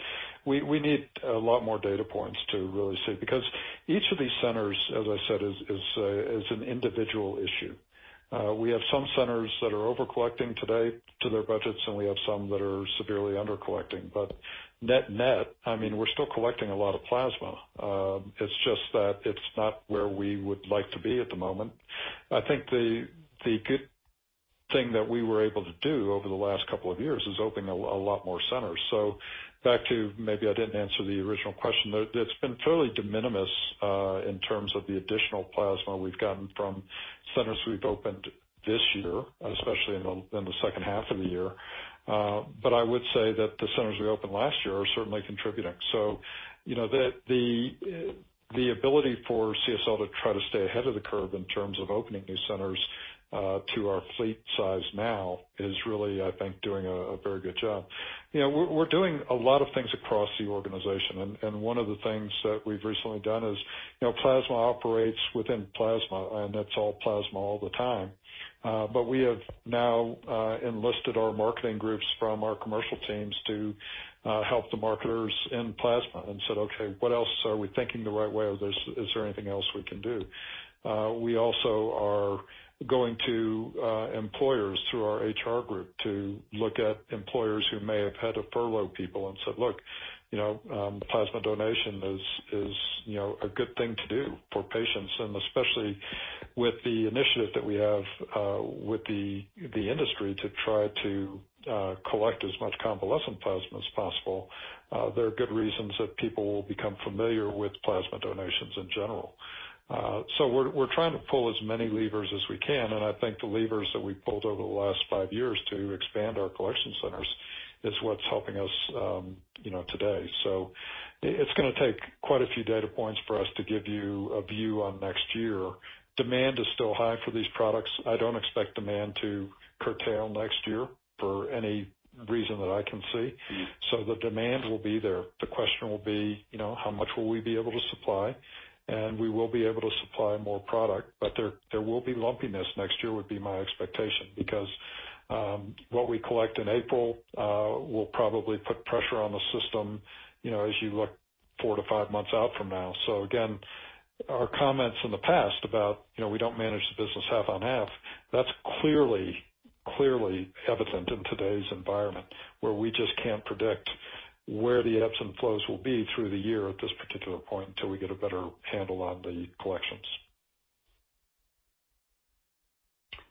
we need a lot more data points to really see because each of these centers, as I said, is an individual issue. We have some centers that are overcollecting today to their budgets, and we have some that are severely undercollecting. Net, we're still collecting a lot of plasma. It's just that it's not where we would like to be at the moment. I think the good thing that we were able to do over the last couple of years is opening a lot more centers. Back to, maybe I didn't answer the original question there. It's been fairly de minimis in terms of the additional plasma we've gotten from centers we've opened this year, especially in the second half of the year. I would say that the centers we opened last year are certainly contributing. The ability for CSL to try to stay ahead of the curve in terms of opening new centers to our fleet size now is really, I think, doing a very good job. We're doing a lot of things across the organization, and one of the things that we've recently done is plasma operates within plasma, and that's all plasma all the time. We have now enlisted our marketing groups from our commercial teams to help the marketers in plasma and said, Okay, what else? Are we thinking the right way? Is there anything else we can do? We also are going to employers through our HR group to look at employers who may have had to furlough people and said, Look, the plasma donation is a good thing to do for patients, and especially with the initiative that we have with the industry to try to collect as much convalescent plasma as possible. There are good reasons that people will become familiar with plasma donations in general. We're trying to pull as many levers as we can, and I think the levers that we pulled over the last five years to expand our collection centers is what's helping us today. It's going to take quite a few data points for us to give you a view on next year. Demand is still high for these products. I don't expect demand to curtail next year for any reason that I can see. The demand will be there. The question will be how much will we be able to supply? We will be able to supply more product, but there will be lumpiness next year, would be my expectation. What we collect in April will probably put pressure on the system as you look four to five months out from now. Again, our comments in the past about we don't manage the business half on half, that's clearly evident in today's environment, where we just can't predict where the ebbs and flows will be through the year at this particular point until we get a better handle on the collections.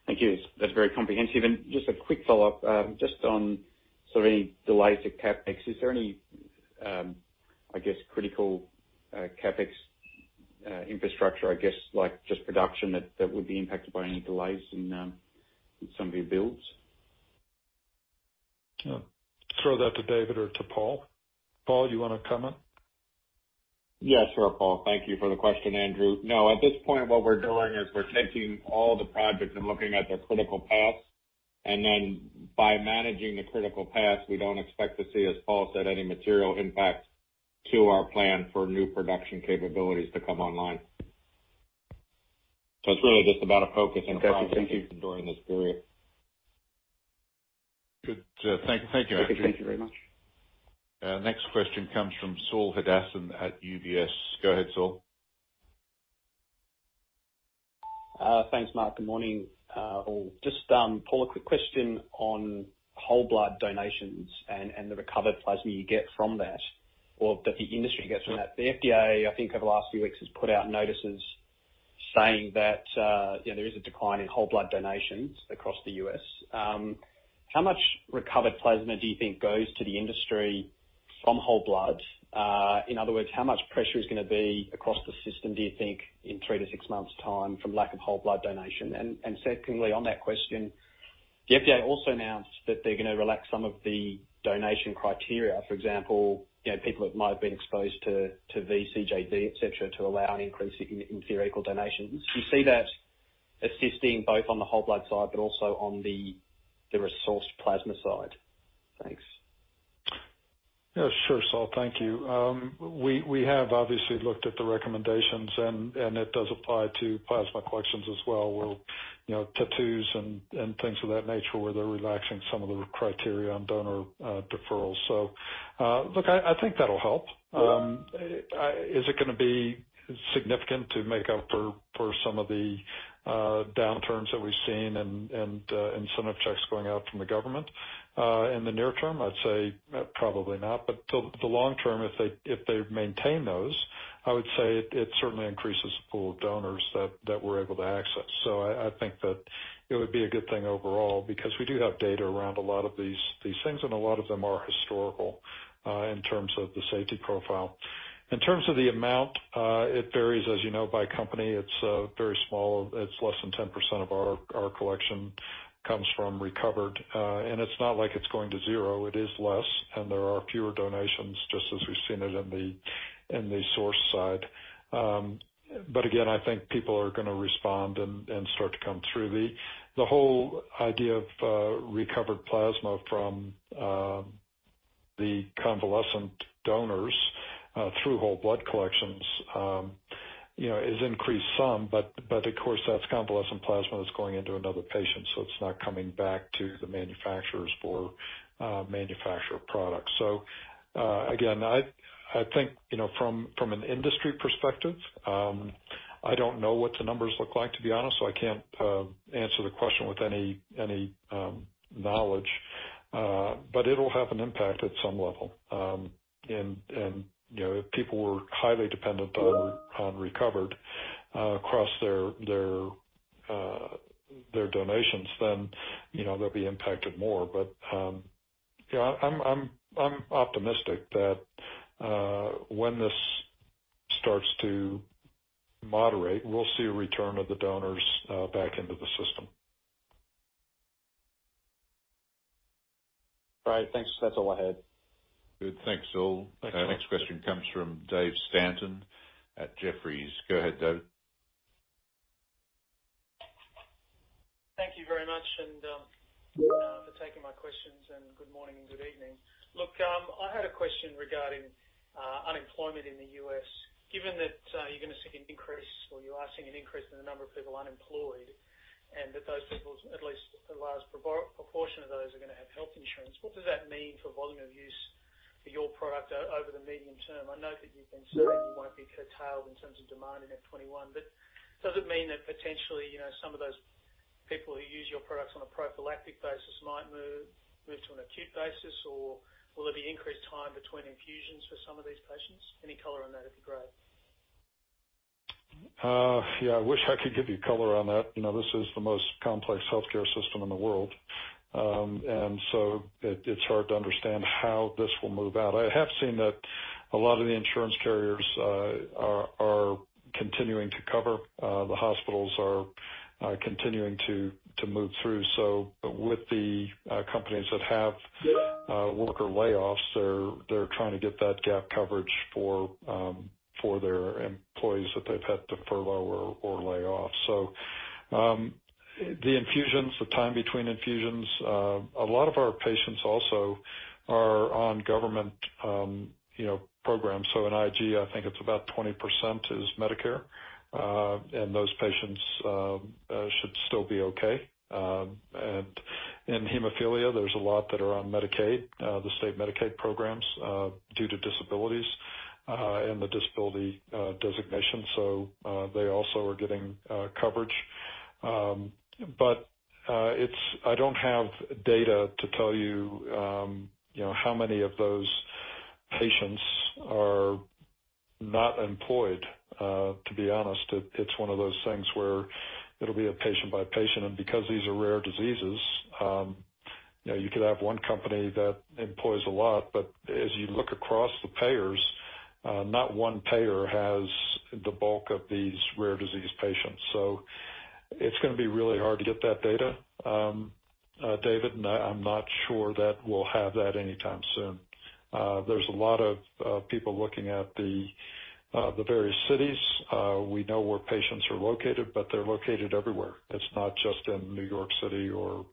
Thank you. That's very comprehensive. Just a quick follow-up, just on sort of any delays to CapEx. Is there any, I guess, critical CapEx infrastructure, I guess like just production that would be impacted by any delays in some of your builds? I'll throw that to David or to Paul. Paul, you want to comment? Yeah, sure, Paul. Thank you for the question, Andrew. No, at this point, what we're doing is we're taking all the projects and looking at their critical paths, and then by managing the critical paths, we don't expect to see, as Paul said, any material impact to our plan for new production capabilities to come online. It's really just about a focus and a priority. That's good. Thank you. during this period. Good. Thank you, Andrew. Okay, thank you very much. Next question comes from Saul Hadassin at UBS. Go ahead, Saul. Thanks, Mark. Good morning. Just, Paul, a quick question on whole blood donations and the recovered plasma you get from that, or that the industry gets from that. The FDA, I think over the last few weeks, has put out notices saying that there is a decline in whole blood donations across the U.S. How much recovered plasma do you think goes to the industry from whole blood? In other words, how much pressure is going to be across the system, do you think, in three to six months' time from lack of whole blood donation? Secondly on that question, the FDA also announced that they're going to relax some of the donation criteria. For example, people that might have been exposed to vCJD, et cetera, to allow an increase in theoretical donations. Do you see that assisting both on the whole blood side, but also on the resource plasma side? Thanks. Yeah, sure, Saul. Thank you. We have obviously looked at the recommendations, and it does apply to plasma collections as well, with tattoos and things of that nature, where they're relaxing some of the criteria on donor deferrals. Look, I think that'll help. Is it going to be significant to make up for some of the downturns that we've seen and incentive checks going out from the government? In the near term, I'd say probably not. The long term, if they maintain those, I would say it certainly increases the pool of donors that we're able to access. I think that it would be a good thing overall because we do have data around a lot of these things, and a lot of them are historical in terms of the safety profile. In terms of the amount, it varies as you know by company. It's very small. It's less than 10% of our collection comes from recovered. It's not like it's going to zero. It is less, and there are fewer donations, just as we've seen it in the source side. Again, I think people are going to respond and start to come through. The whole idea of recovered plasma from the convalescent donors through whole blood collections has increased some, but of course that's convalescent plasma that's going into another patient, so it's not coming back to the manufacturers for manufactured products. Again, I think from an industry perspective, I don't know what the numbers look like, to be honest, so I can't answer the question with any knowledge. It'll have an impact at some level. If people were highly dependent on recovered across their donations, then they'll be impacted more. I'm optimistic that when this starts to moderate, we'll see a return of the donors back into the system. All right, thanks. That's all I had. Good. Thanks, Saul. Thanks. Next question comes from David Stanton at Jefferies. Go ahead, Dave. Thank you very much for taking my questions. Good morning and good evening. Look, I had a question regarding unemployment in the U.S. Given that you're going to see an increase or you are seeing an increase in the number of people unemployed, that those people, at least a large proportion of those, are going to have health insurance, what does that mean for volume of use for your product over the medium term? I know that you've been certain you won't be curtailed in terms of demand in FY 2021. Does it mean that potentially, some of those people who use your products on a prophylactic basis might move to an acute basis, or will there be increased time between infusions for some of these patients? Any color on that would be great. Yeah, I wish I could give you color on that. This is the most complex healthcare system in the world. It's hard to understand how this will move out. I have seen that a lot of the insurance carriers are continuing to cover. The hospitals are continuing to move through. With the companies that have worker layoffs, they're trying to get that gap coverage for their employees that they've had to furlough or lay off. The infusions, the time between infusions, a lot of our patients also are on government programs. In IG, I think it's about 20% is Medicare, and those patients should still be okay. In hemophilia, there's a lot that are on Medicaid, the state Medicaid programs, due to disabilities and the disability designation. They also are getting coverage. I don't have data to tell you how many of those patients are not employed, to be honest. It's one of those things where it'll be a patient by patient. Because these are rare diseases, you could have one company that employs a lot. As you look across the payers, not one payer has the bulk of these rare disease patients. It's going to be really hard to get that data, David, and I'm not sure that we'll have that anytime soon. There's a lot of people looking at the various cities. We know where patients are located, but they're located everywhere. It's not just in New York City or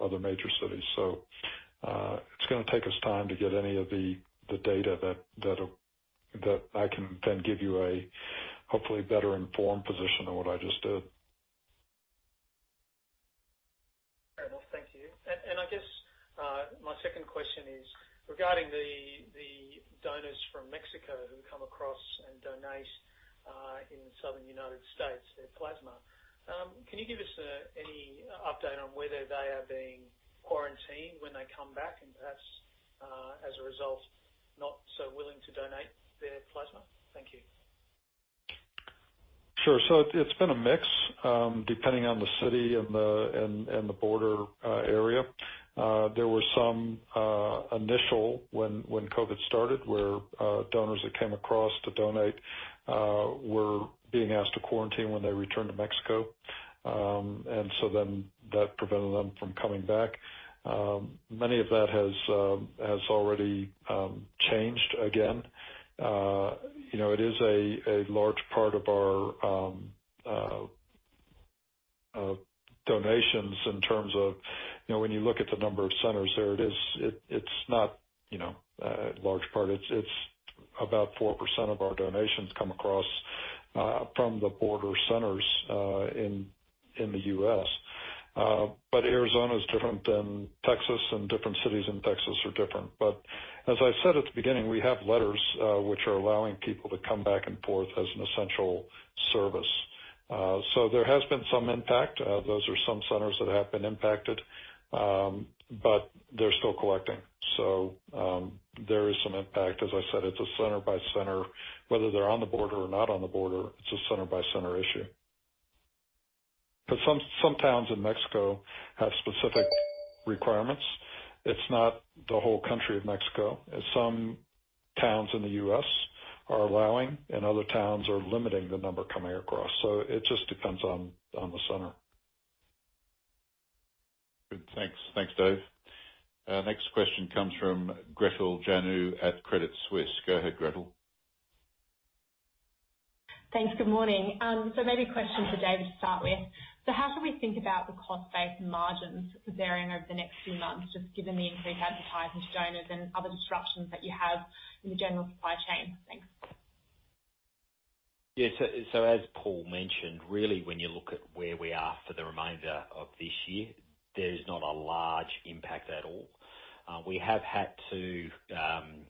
other major cities. It's going to take us time to get any of the data that I can then give you a hopefully better-informed position than what I just did. Very well. Thank you. I guess my second question is regarding the donors from Mexico who come across and donate in southern U.S. their plasma. Can you give us any update on whether they are being quarantined when they come back, and perhaps, as a result, not so willing to donate their plasma? Thank you. Sure. It's been a mix, depending on the city and the border area. There were some initial when COVID started, where donors that came across to donate were being asked to quarantine when they returned to Mexico. That prevented them from coming back. Many of that has already changed again. It is a large part of our donations in terms of when you look at the number of centers there, it's not a large part. It's about 4% of our donations come across from the border centers in the U.S. Arizona is different than Texas, and different cities in Texas are different. As I said at the beginning, we have letters which are allowing people to come back and forth as an essential service. There has been some impact. Those are some centers that have been impacted. They're still collecting. There is some impact. As I said, it's a center by center, whether they're on the border or not on the border, it's a center by center issue. Some towns in Mexico have specific requirements. It's not the whole country of Mexico. Some towns in the U.S. are allowing and other towns are limiting the number coming across. It just depends on the center. Good. Thanks. Thanks, Dave. Next question comes from Gretel Janu at Credit Suisse. Go ahead, Gretel. Thanks. Good morning. Maybe a question for David to start with. How can we think about the cost base and margins varying over the next few months, just given the increased advertising to donors and other disruptions that you have in the general supply chain? Thanks. As Paul mentioned, really, when you look at where we are for the remainder of this year, there's not a large impact at all. We have had to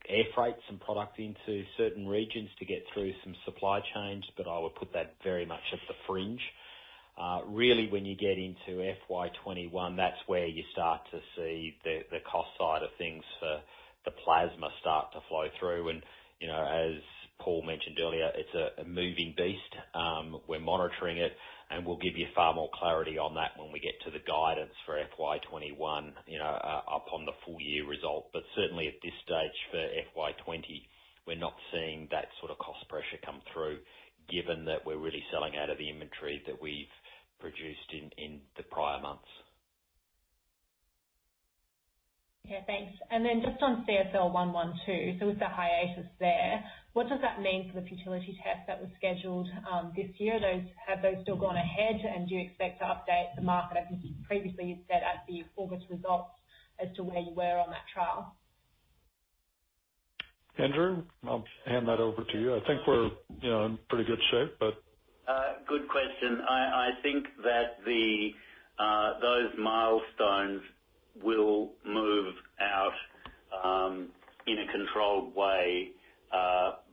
air freight some product into certain regions to get through some supply chains, but I would put that very much at the fringe. When you get into FY 2021, that's where you start to see the cost side of things for the plasma start to flow through. As Paul mentioned earlier, it's a moving beast. We're monitoring it, and we'll give you far more clarity on that when we get to the guidance for FY 2021 upon the full-year result. Certainly, at this stage for FY 2020, we're not seeing that sort of cost pressure come through, given that we're really selling out of the inventory that we've produced in the prior months. Yeah, thanks. Just on CSL112. With the hiatus there, what does that mean for the futility test that was scheduled this year? Have those still gone ahead, do you expect to update the market, as previously you'd said at the August results, as to where you were on that trial? Andrew, I'll hand that over to you. I think we're in pretty good shape, but... Good question. I think that those milestones will move out in a controlled way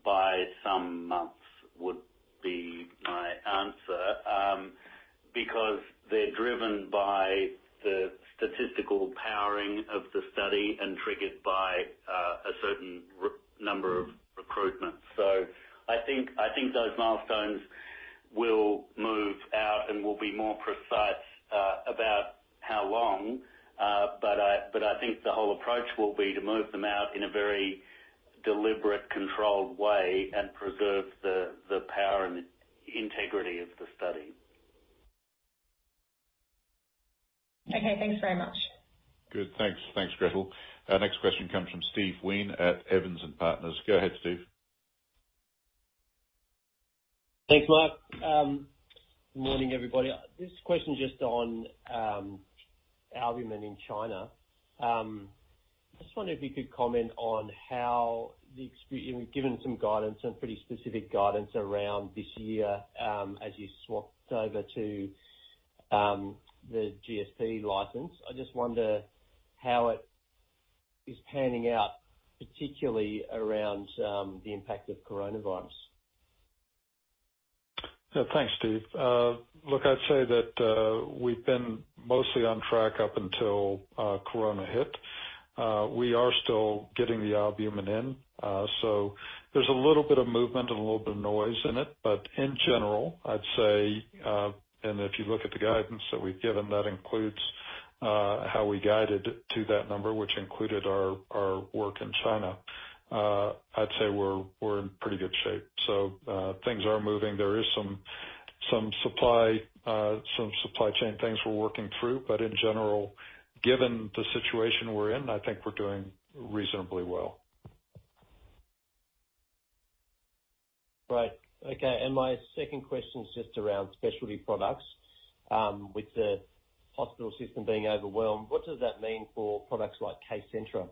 by some months, would be my answer, because they're driven by the statistical powering of the study and triggered by a certain number of recruitments. I think those milestones will move out, and we'll be more precise about how long. I think the whole approach will be to move them out in a very deliberate, controlled way and preserve the power and the integrity of the study. Okay, thanks very much. Good. Thanks, Gretel. Our next question comes from Steve Wheen at Evans & Partners. Go ahead, Steve. Thanks, Mark. Good morning, everybody. This question just on albumin in China. Just wonder if you could comment on. You've given some guidance, some pretty specific guidance around this year, as you swapped over to the GSP license. I just wonder how it is panning out, particularly around the impact of coronavirus. Yeah. Thanks, Steve. Look, I'd say that we've been mostly on track up until Corona hit. We are still getting the albumin in. There's a little bit of movement and a little bit of noise in it. In general, I'd say, and if you look at the guidance that we've given, that includes how we guided to that number, which included our work in China, I'd say we're in pretty good shape. Things are moving. There is some supply chain things we're working through. In general, given the situation we're in, I think we're doing reasonably well. Right. Okay. My second question is just around specialty products. With the hospital system being overwhelmed, what does that mean for products like Kcentra?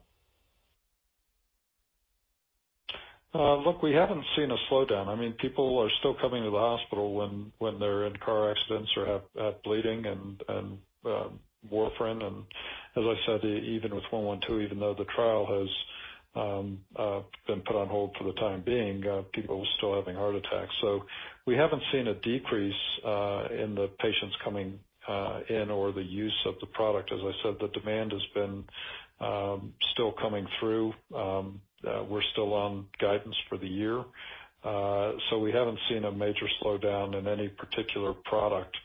Look, we haven't seen a slowdown. People are still coming to the hospital when they're in car accidents or have bleeding and warfarin. As I said, even with CSL112, even though the trial has been put on hold for the time being, people are still having heart attacks. We haven't seen a decrease in the patients coming in or the use of the product. As I said, the demand has been still coming through. We're still on guidance for the year. We haven't seen a major slowdown in any particular product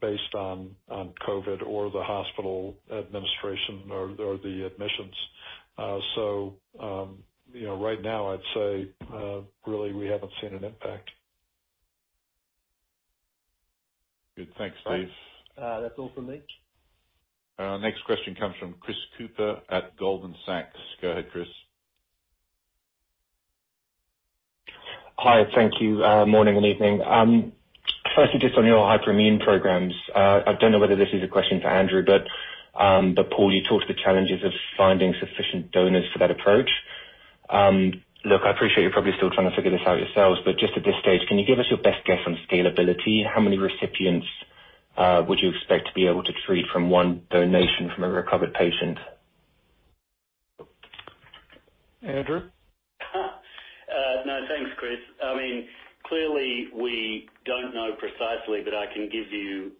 based on COVID or the hospital administration or the admissions. Right now, I'd say really we haven't seen an impact. Good. Thanks, Steve. That's all from me. Our next question comes from Chris Cooper at Goldman Sachs. Go ahead, Chris. Hi. Thank you. Morning and evening. Firstly, just on your hyperimmune programs. I don't know whether this is a question for Andrew, but Paul, you talked of the challenges of finding sufficient donors for that approach. Look, I appreciate you're probably still trying to figure this out yourselves, but just at this stage, can you give us your best guess on scalability? How many recipients would you expect to be able to treat from one donation from a recovered patient? Andrew? No, thanks, Chris. Clearly, we don't know precisely, but I can give you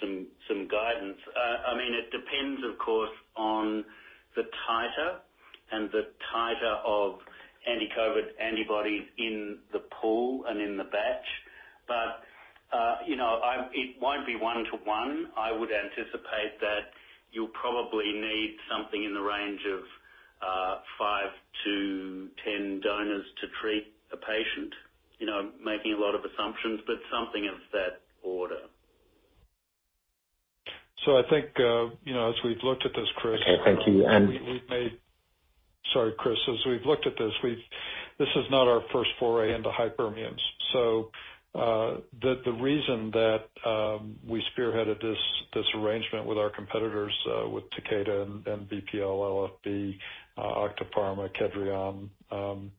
some guidance. It depends, of course, on the titer and the titer of anti-COVID antibodies in the pool and in the batch. It won't be one to one. I would anticipate that you'll probably need something in the range of five to 10 donors to treat a patient. Making a lot of assumptions, something of that order. I think, as we've looked at this, Chris. Okay, thank you. We've looked at this is not our first foray into hyperimmunes. The reason that we spearheaded this arrangement with our competitors, with Takeda and BPL, LFB, Octapharma, Kedrion, and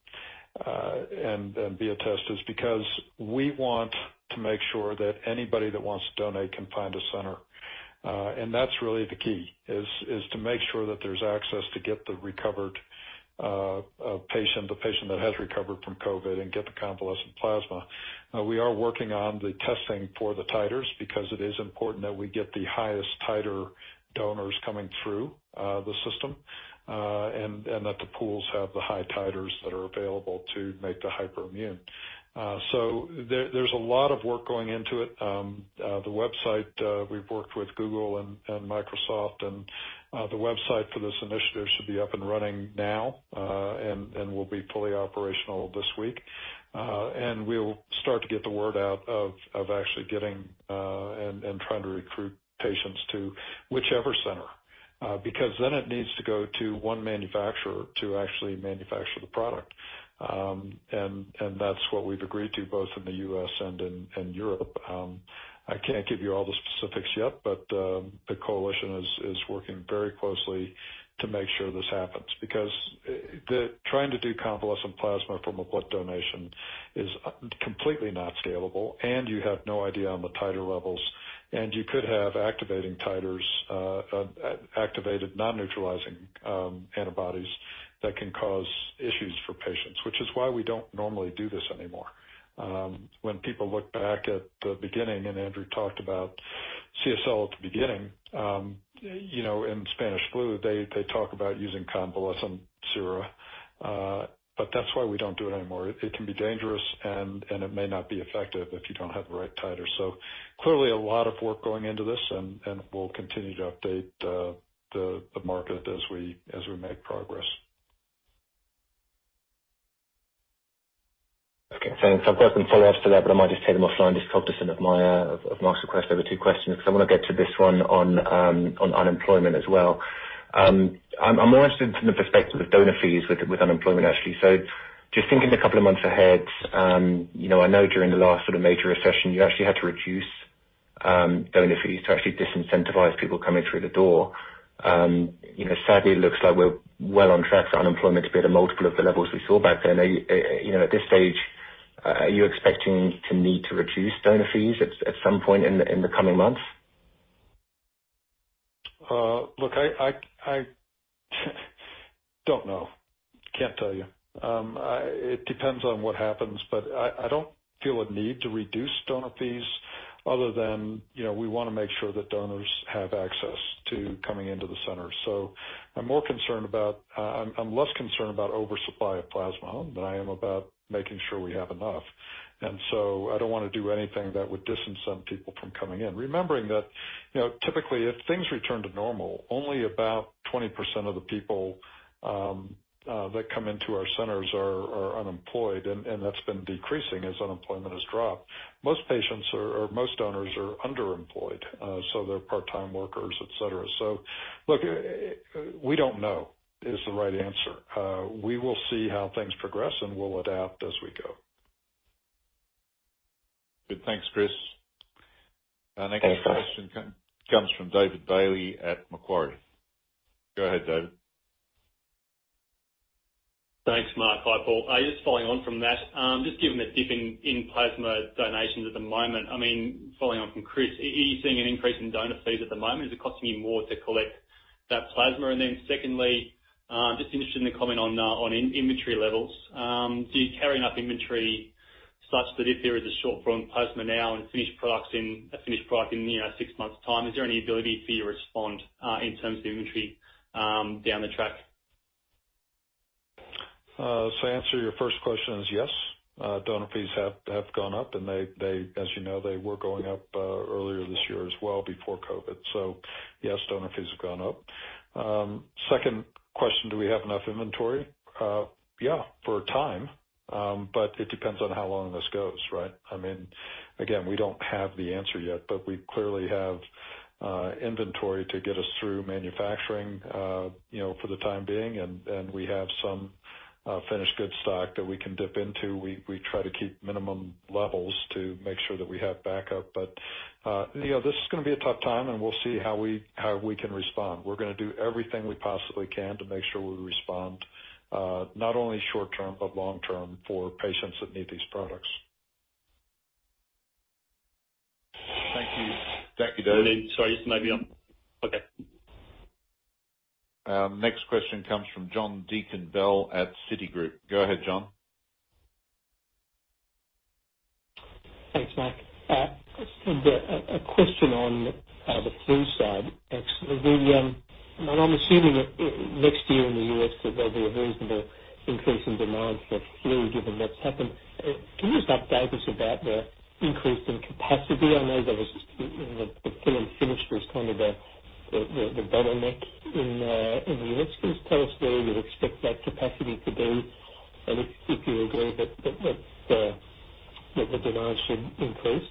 Biotest is because we want to make sure that anybody that wants to donate can find a center. That's really the key, is to make sure that there's access to get the recovered patient, the patient that has recovered from COVID-19 and get the convalescent plasma. We are working on the testing for the titers because it is important that we get the highest titer donors coming through the system, and that the pools have the high titers that are available to make the hyperimmune. The website, we've worked with Google and Microsoft, the website for this initiative should be up and running now, and will be fully operational this week. We'll start to get the word out of actually getting and trying to recruit patients to whichever center, because then it needs to go to one manufacturer to actually manufacture the product. That's what we've agreed to, both in the U.S. and in Europe. I can't give you all the specifics yet, but the Coalition is working very closely to make sure this happens because trying to do convalescent plasma from a blood donation is completely not scalable, and you have no idea on the titer levels, and you could have activating titers, activated non-neutralizing antibodies that can cause issues for patients, which is why we don't normally do this anymore. When people look back at the beginning, Andrew talked about CSL at the beginning, in Spanish flu they talk about using convalescent sera. That's why we don't do it anymore. It can be dangerous and it may not be effective if you don't have the right titer. Clearly a lot of work going into this and we'll continue to update the market as we make progress. Okay, thanks. I've got some follow-ups to that but I might just take them offline just cognizant of Mark's request. There were two questions because I want to get to this one on unemployment as well. I'm more interested from the perspective of donor fees with unemployment actually. Just thinking a couple of months ahead, I know during the last sort of major recession you actually had to reduce donor fees to actually disincentivize people coming through the door. Sadly it looks like we're well on track for unemployment to be at a multiple of the levels we saw back then. At this stage, are you expecting to need to reduce donor fees at some point in the coming months? Look, I don't know. Can't tell you. It depends on what happens. I don't feel a need to reduce donor fees other than we want to make sure that donors have access to coming into the center. I'm less concerned about oversupply of plasma than I am about making sure we have enough. I don't want to do anything that would distance some people from coming in. Remembering that typically if things return to normal, only about 20% of the people that come into our centers are unemployed and that's been decreasing as unemployment has dropped. Most donors are underemployed, so they're part-time workers, et cetera. Look, we don't know is the right answer. We will see how things progress and we'll adapt as we go. Good. Thanks, Chris. Okay. Our next question comes from David Bailey at Macquarie. Go ahead, David. Thanks, Mark. Hi, Paul. Following on from that, just given the dip in plasma donations at the moment, following on from Chris, are you seeing an increase in donor fees at the moment? Is it costing you more to collect that plasma? Secondly, just interested in the comment on inventory levels. Do you carry enough inventory such that if there is a shortfall in plasma now and a finished product in six months' time, is there any ability for you to respond in terms of inventory down the track? To answer your first question is yes, donor fees have gone up and as you know they were going up earlier this year as well before COVID. Yes, donor fees have gone up. Second question, do we have enough inventory? Yeah, for a time. It depends on how long this goes, right? Again, we don't have the answer yet, but we clearly have inventory to get us through manufacturing for the time being, and we have some finished goods stock that we can dip into. We try to keep minimum levels to make sure that we have backup. This is going to be a tough time and we'll see how we can respond. We're going to do everything we possibly can to make sure we respond not only short term but long term for patients that need these products. Thank you, David. Sorry, maybe. I'm Okay. Next question comes from John Deakin-Bell at Citigroup. Go ahead, John. Thanks, Mark. A question on the flu side. I'm assuming that next year in the U.S. that there'll be a reasonable increase in demand for flu given what's happened. Can you just update us about the increase in capacity? I know the fill and finish was kind of the bottleneck in the U.S. Can you just tell us where you'd expect that capacity to be and if you agree that the demand should increase?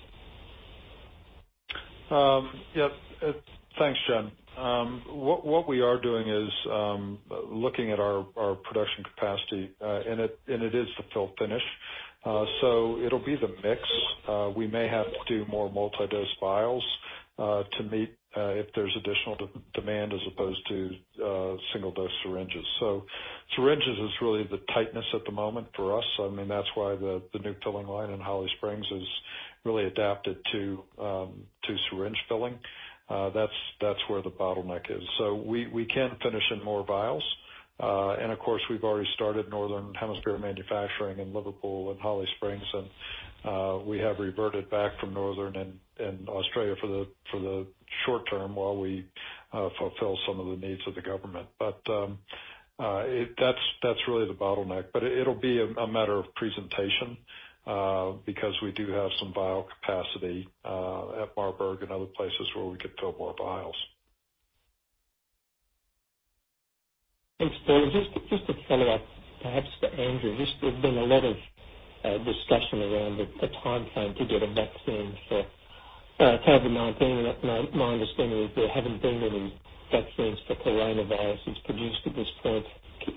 Yeah. Thanks, John. What we are doing is looking at our production capacity, and it is the fill finish. It'll be the mix. We may have to do more multi-dose vials if there's additional demand as opposed to single-dose syringes. Syringes is really the tightness at the moment for us. That's why the new filling line in Holly Springs is really adapted to syringe filling. That's where the bottleneck is. We can finish in more vials. Of course, we've already started Northern Hemisphere manufacturing in Liverpool and Holly Springs, and we have reverted back from Northern and Australia for the short term while we fulfill some of the needs of the government. That's really the bottleneck. It'll be a matter of presentation, because we do have some vial capacity, at Marburg and other places where we could fill more vials. Thanks, Paul. Just to follow up, perhaps to Andrew. Just there's been a lot of discussion around the timeframe to get a vaccine for COVID-19, and my understanding is there haven't been any vaccines for coronavirus that's produced at this point.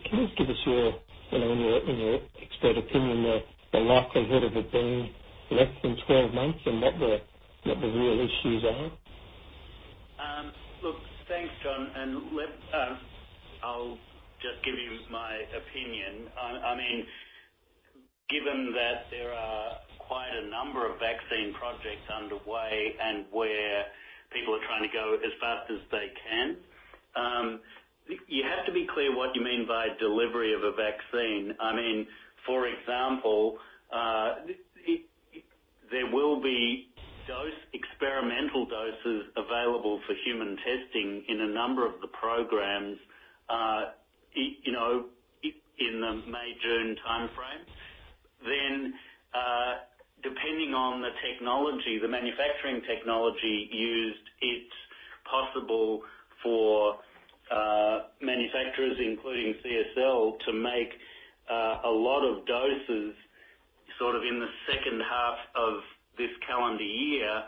Can you give us your, in your expert opinion, the likelihood of it being less than 12 months, and what the real issues are? Look, thanks, John. I'll just give you my opinion. Given that there are quite a number of vaccine projects underway and where people are trying to go as fast as they can, you have to be clear what you mean by delivery of a vaccine. For example, there will be experimental doses available for human testing in a number of the programs, in the May/June timeframe. Depending on the technology, the manufacturing technology used, it's possible for manufacturers, including CSL, to make a lot of doses sort of in the second half of this calendar year.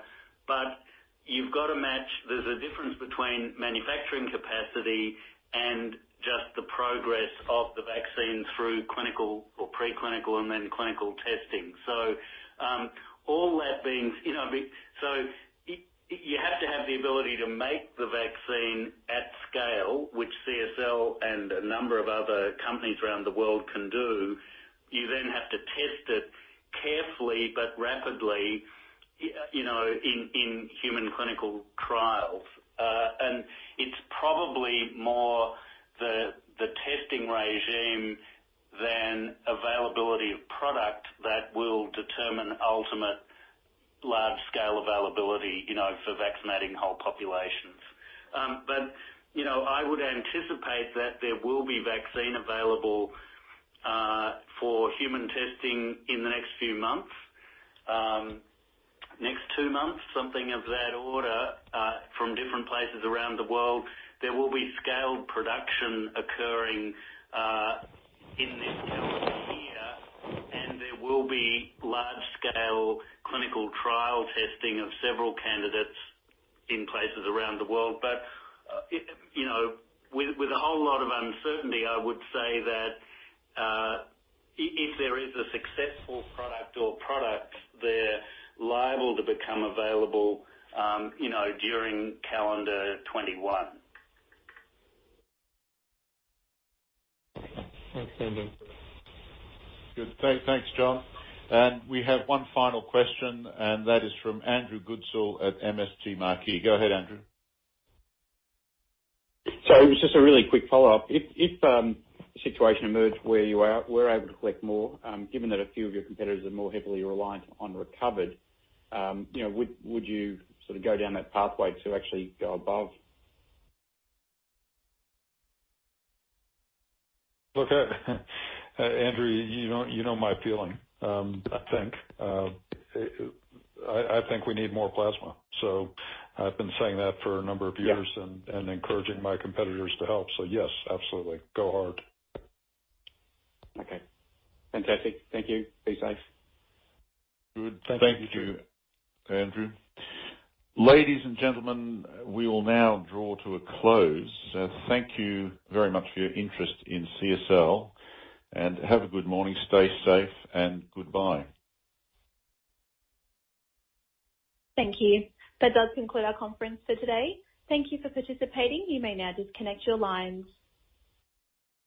There's a difference between manufacturing capacity and just the progress of the vaccine through clinical or preclinical and then clinical testing. You have to have the ability to make the vaccine at scale, which CSL and a number of other companies around the world can do. You then have to test it carefully but rapidly, in human clinical trials. It's probably more the testing regime than availability of product that will determine ultimate large-scale availability for vaccinating whole populations. I would anticipate that there will be vaccine available for human testing in the next few months. Next two months, something of that order, from different places around the world. There will be scaled production occurring, in this calendar year, and there will be large-scale clinical trial testing of several candidates in places around the world. With a whole lot of uncertainty, I would say that, if there is a successful product or products, they're liable to become available during calendar 2021. Thanks, Andrew. Good. Thanks, John. We have one final question, and that is from Andrew Goodsall at MST Marquee. Go ahead, Andrew. It was just a really quick follow-up. If a situation emerged where you were able to collect more, given that a few of your competitors are more heavily reliant on recovered, would you sort of go down that pathway to actually go above? Look Andrew, you know my feeling. I think we need more plasma. I've been saying that for a number of years. Yeah encouraging my competitors to help. Yes, absolutely. Go hard. Okay. Fantastic. Thank you. Be safe. Good. Thank you, Andrew. Ladies and gentlemen, we will now draw to a close. Thank you very much for your interest in CSL, and have a good morning. Stay safe, and goodbye. Thank you. That does conclude our conference for today. Thank you for participating. You may now disconnect your lines.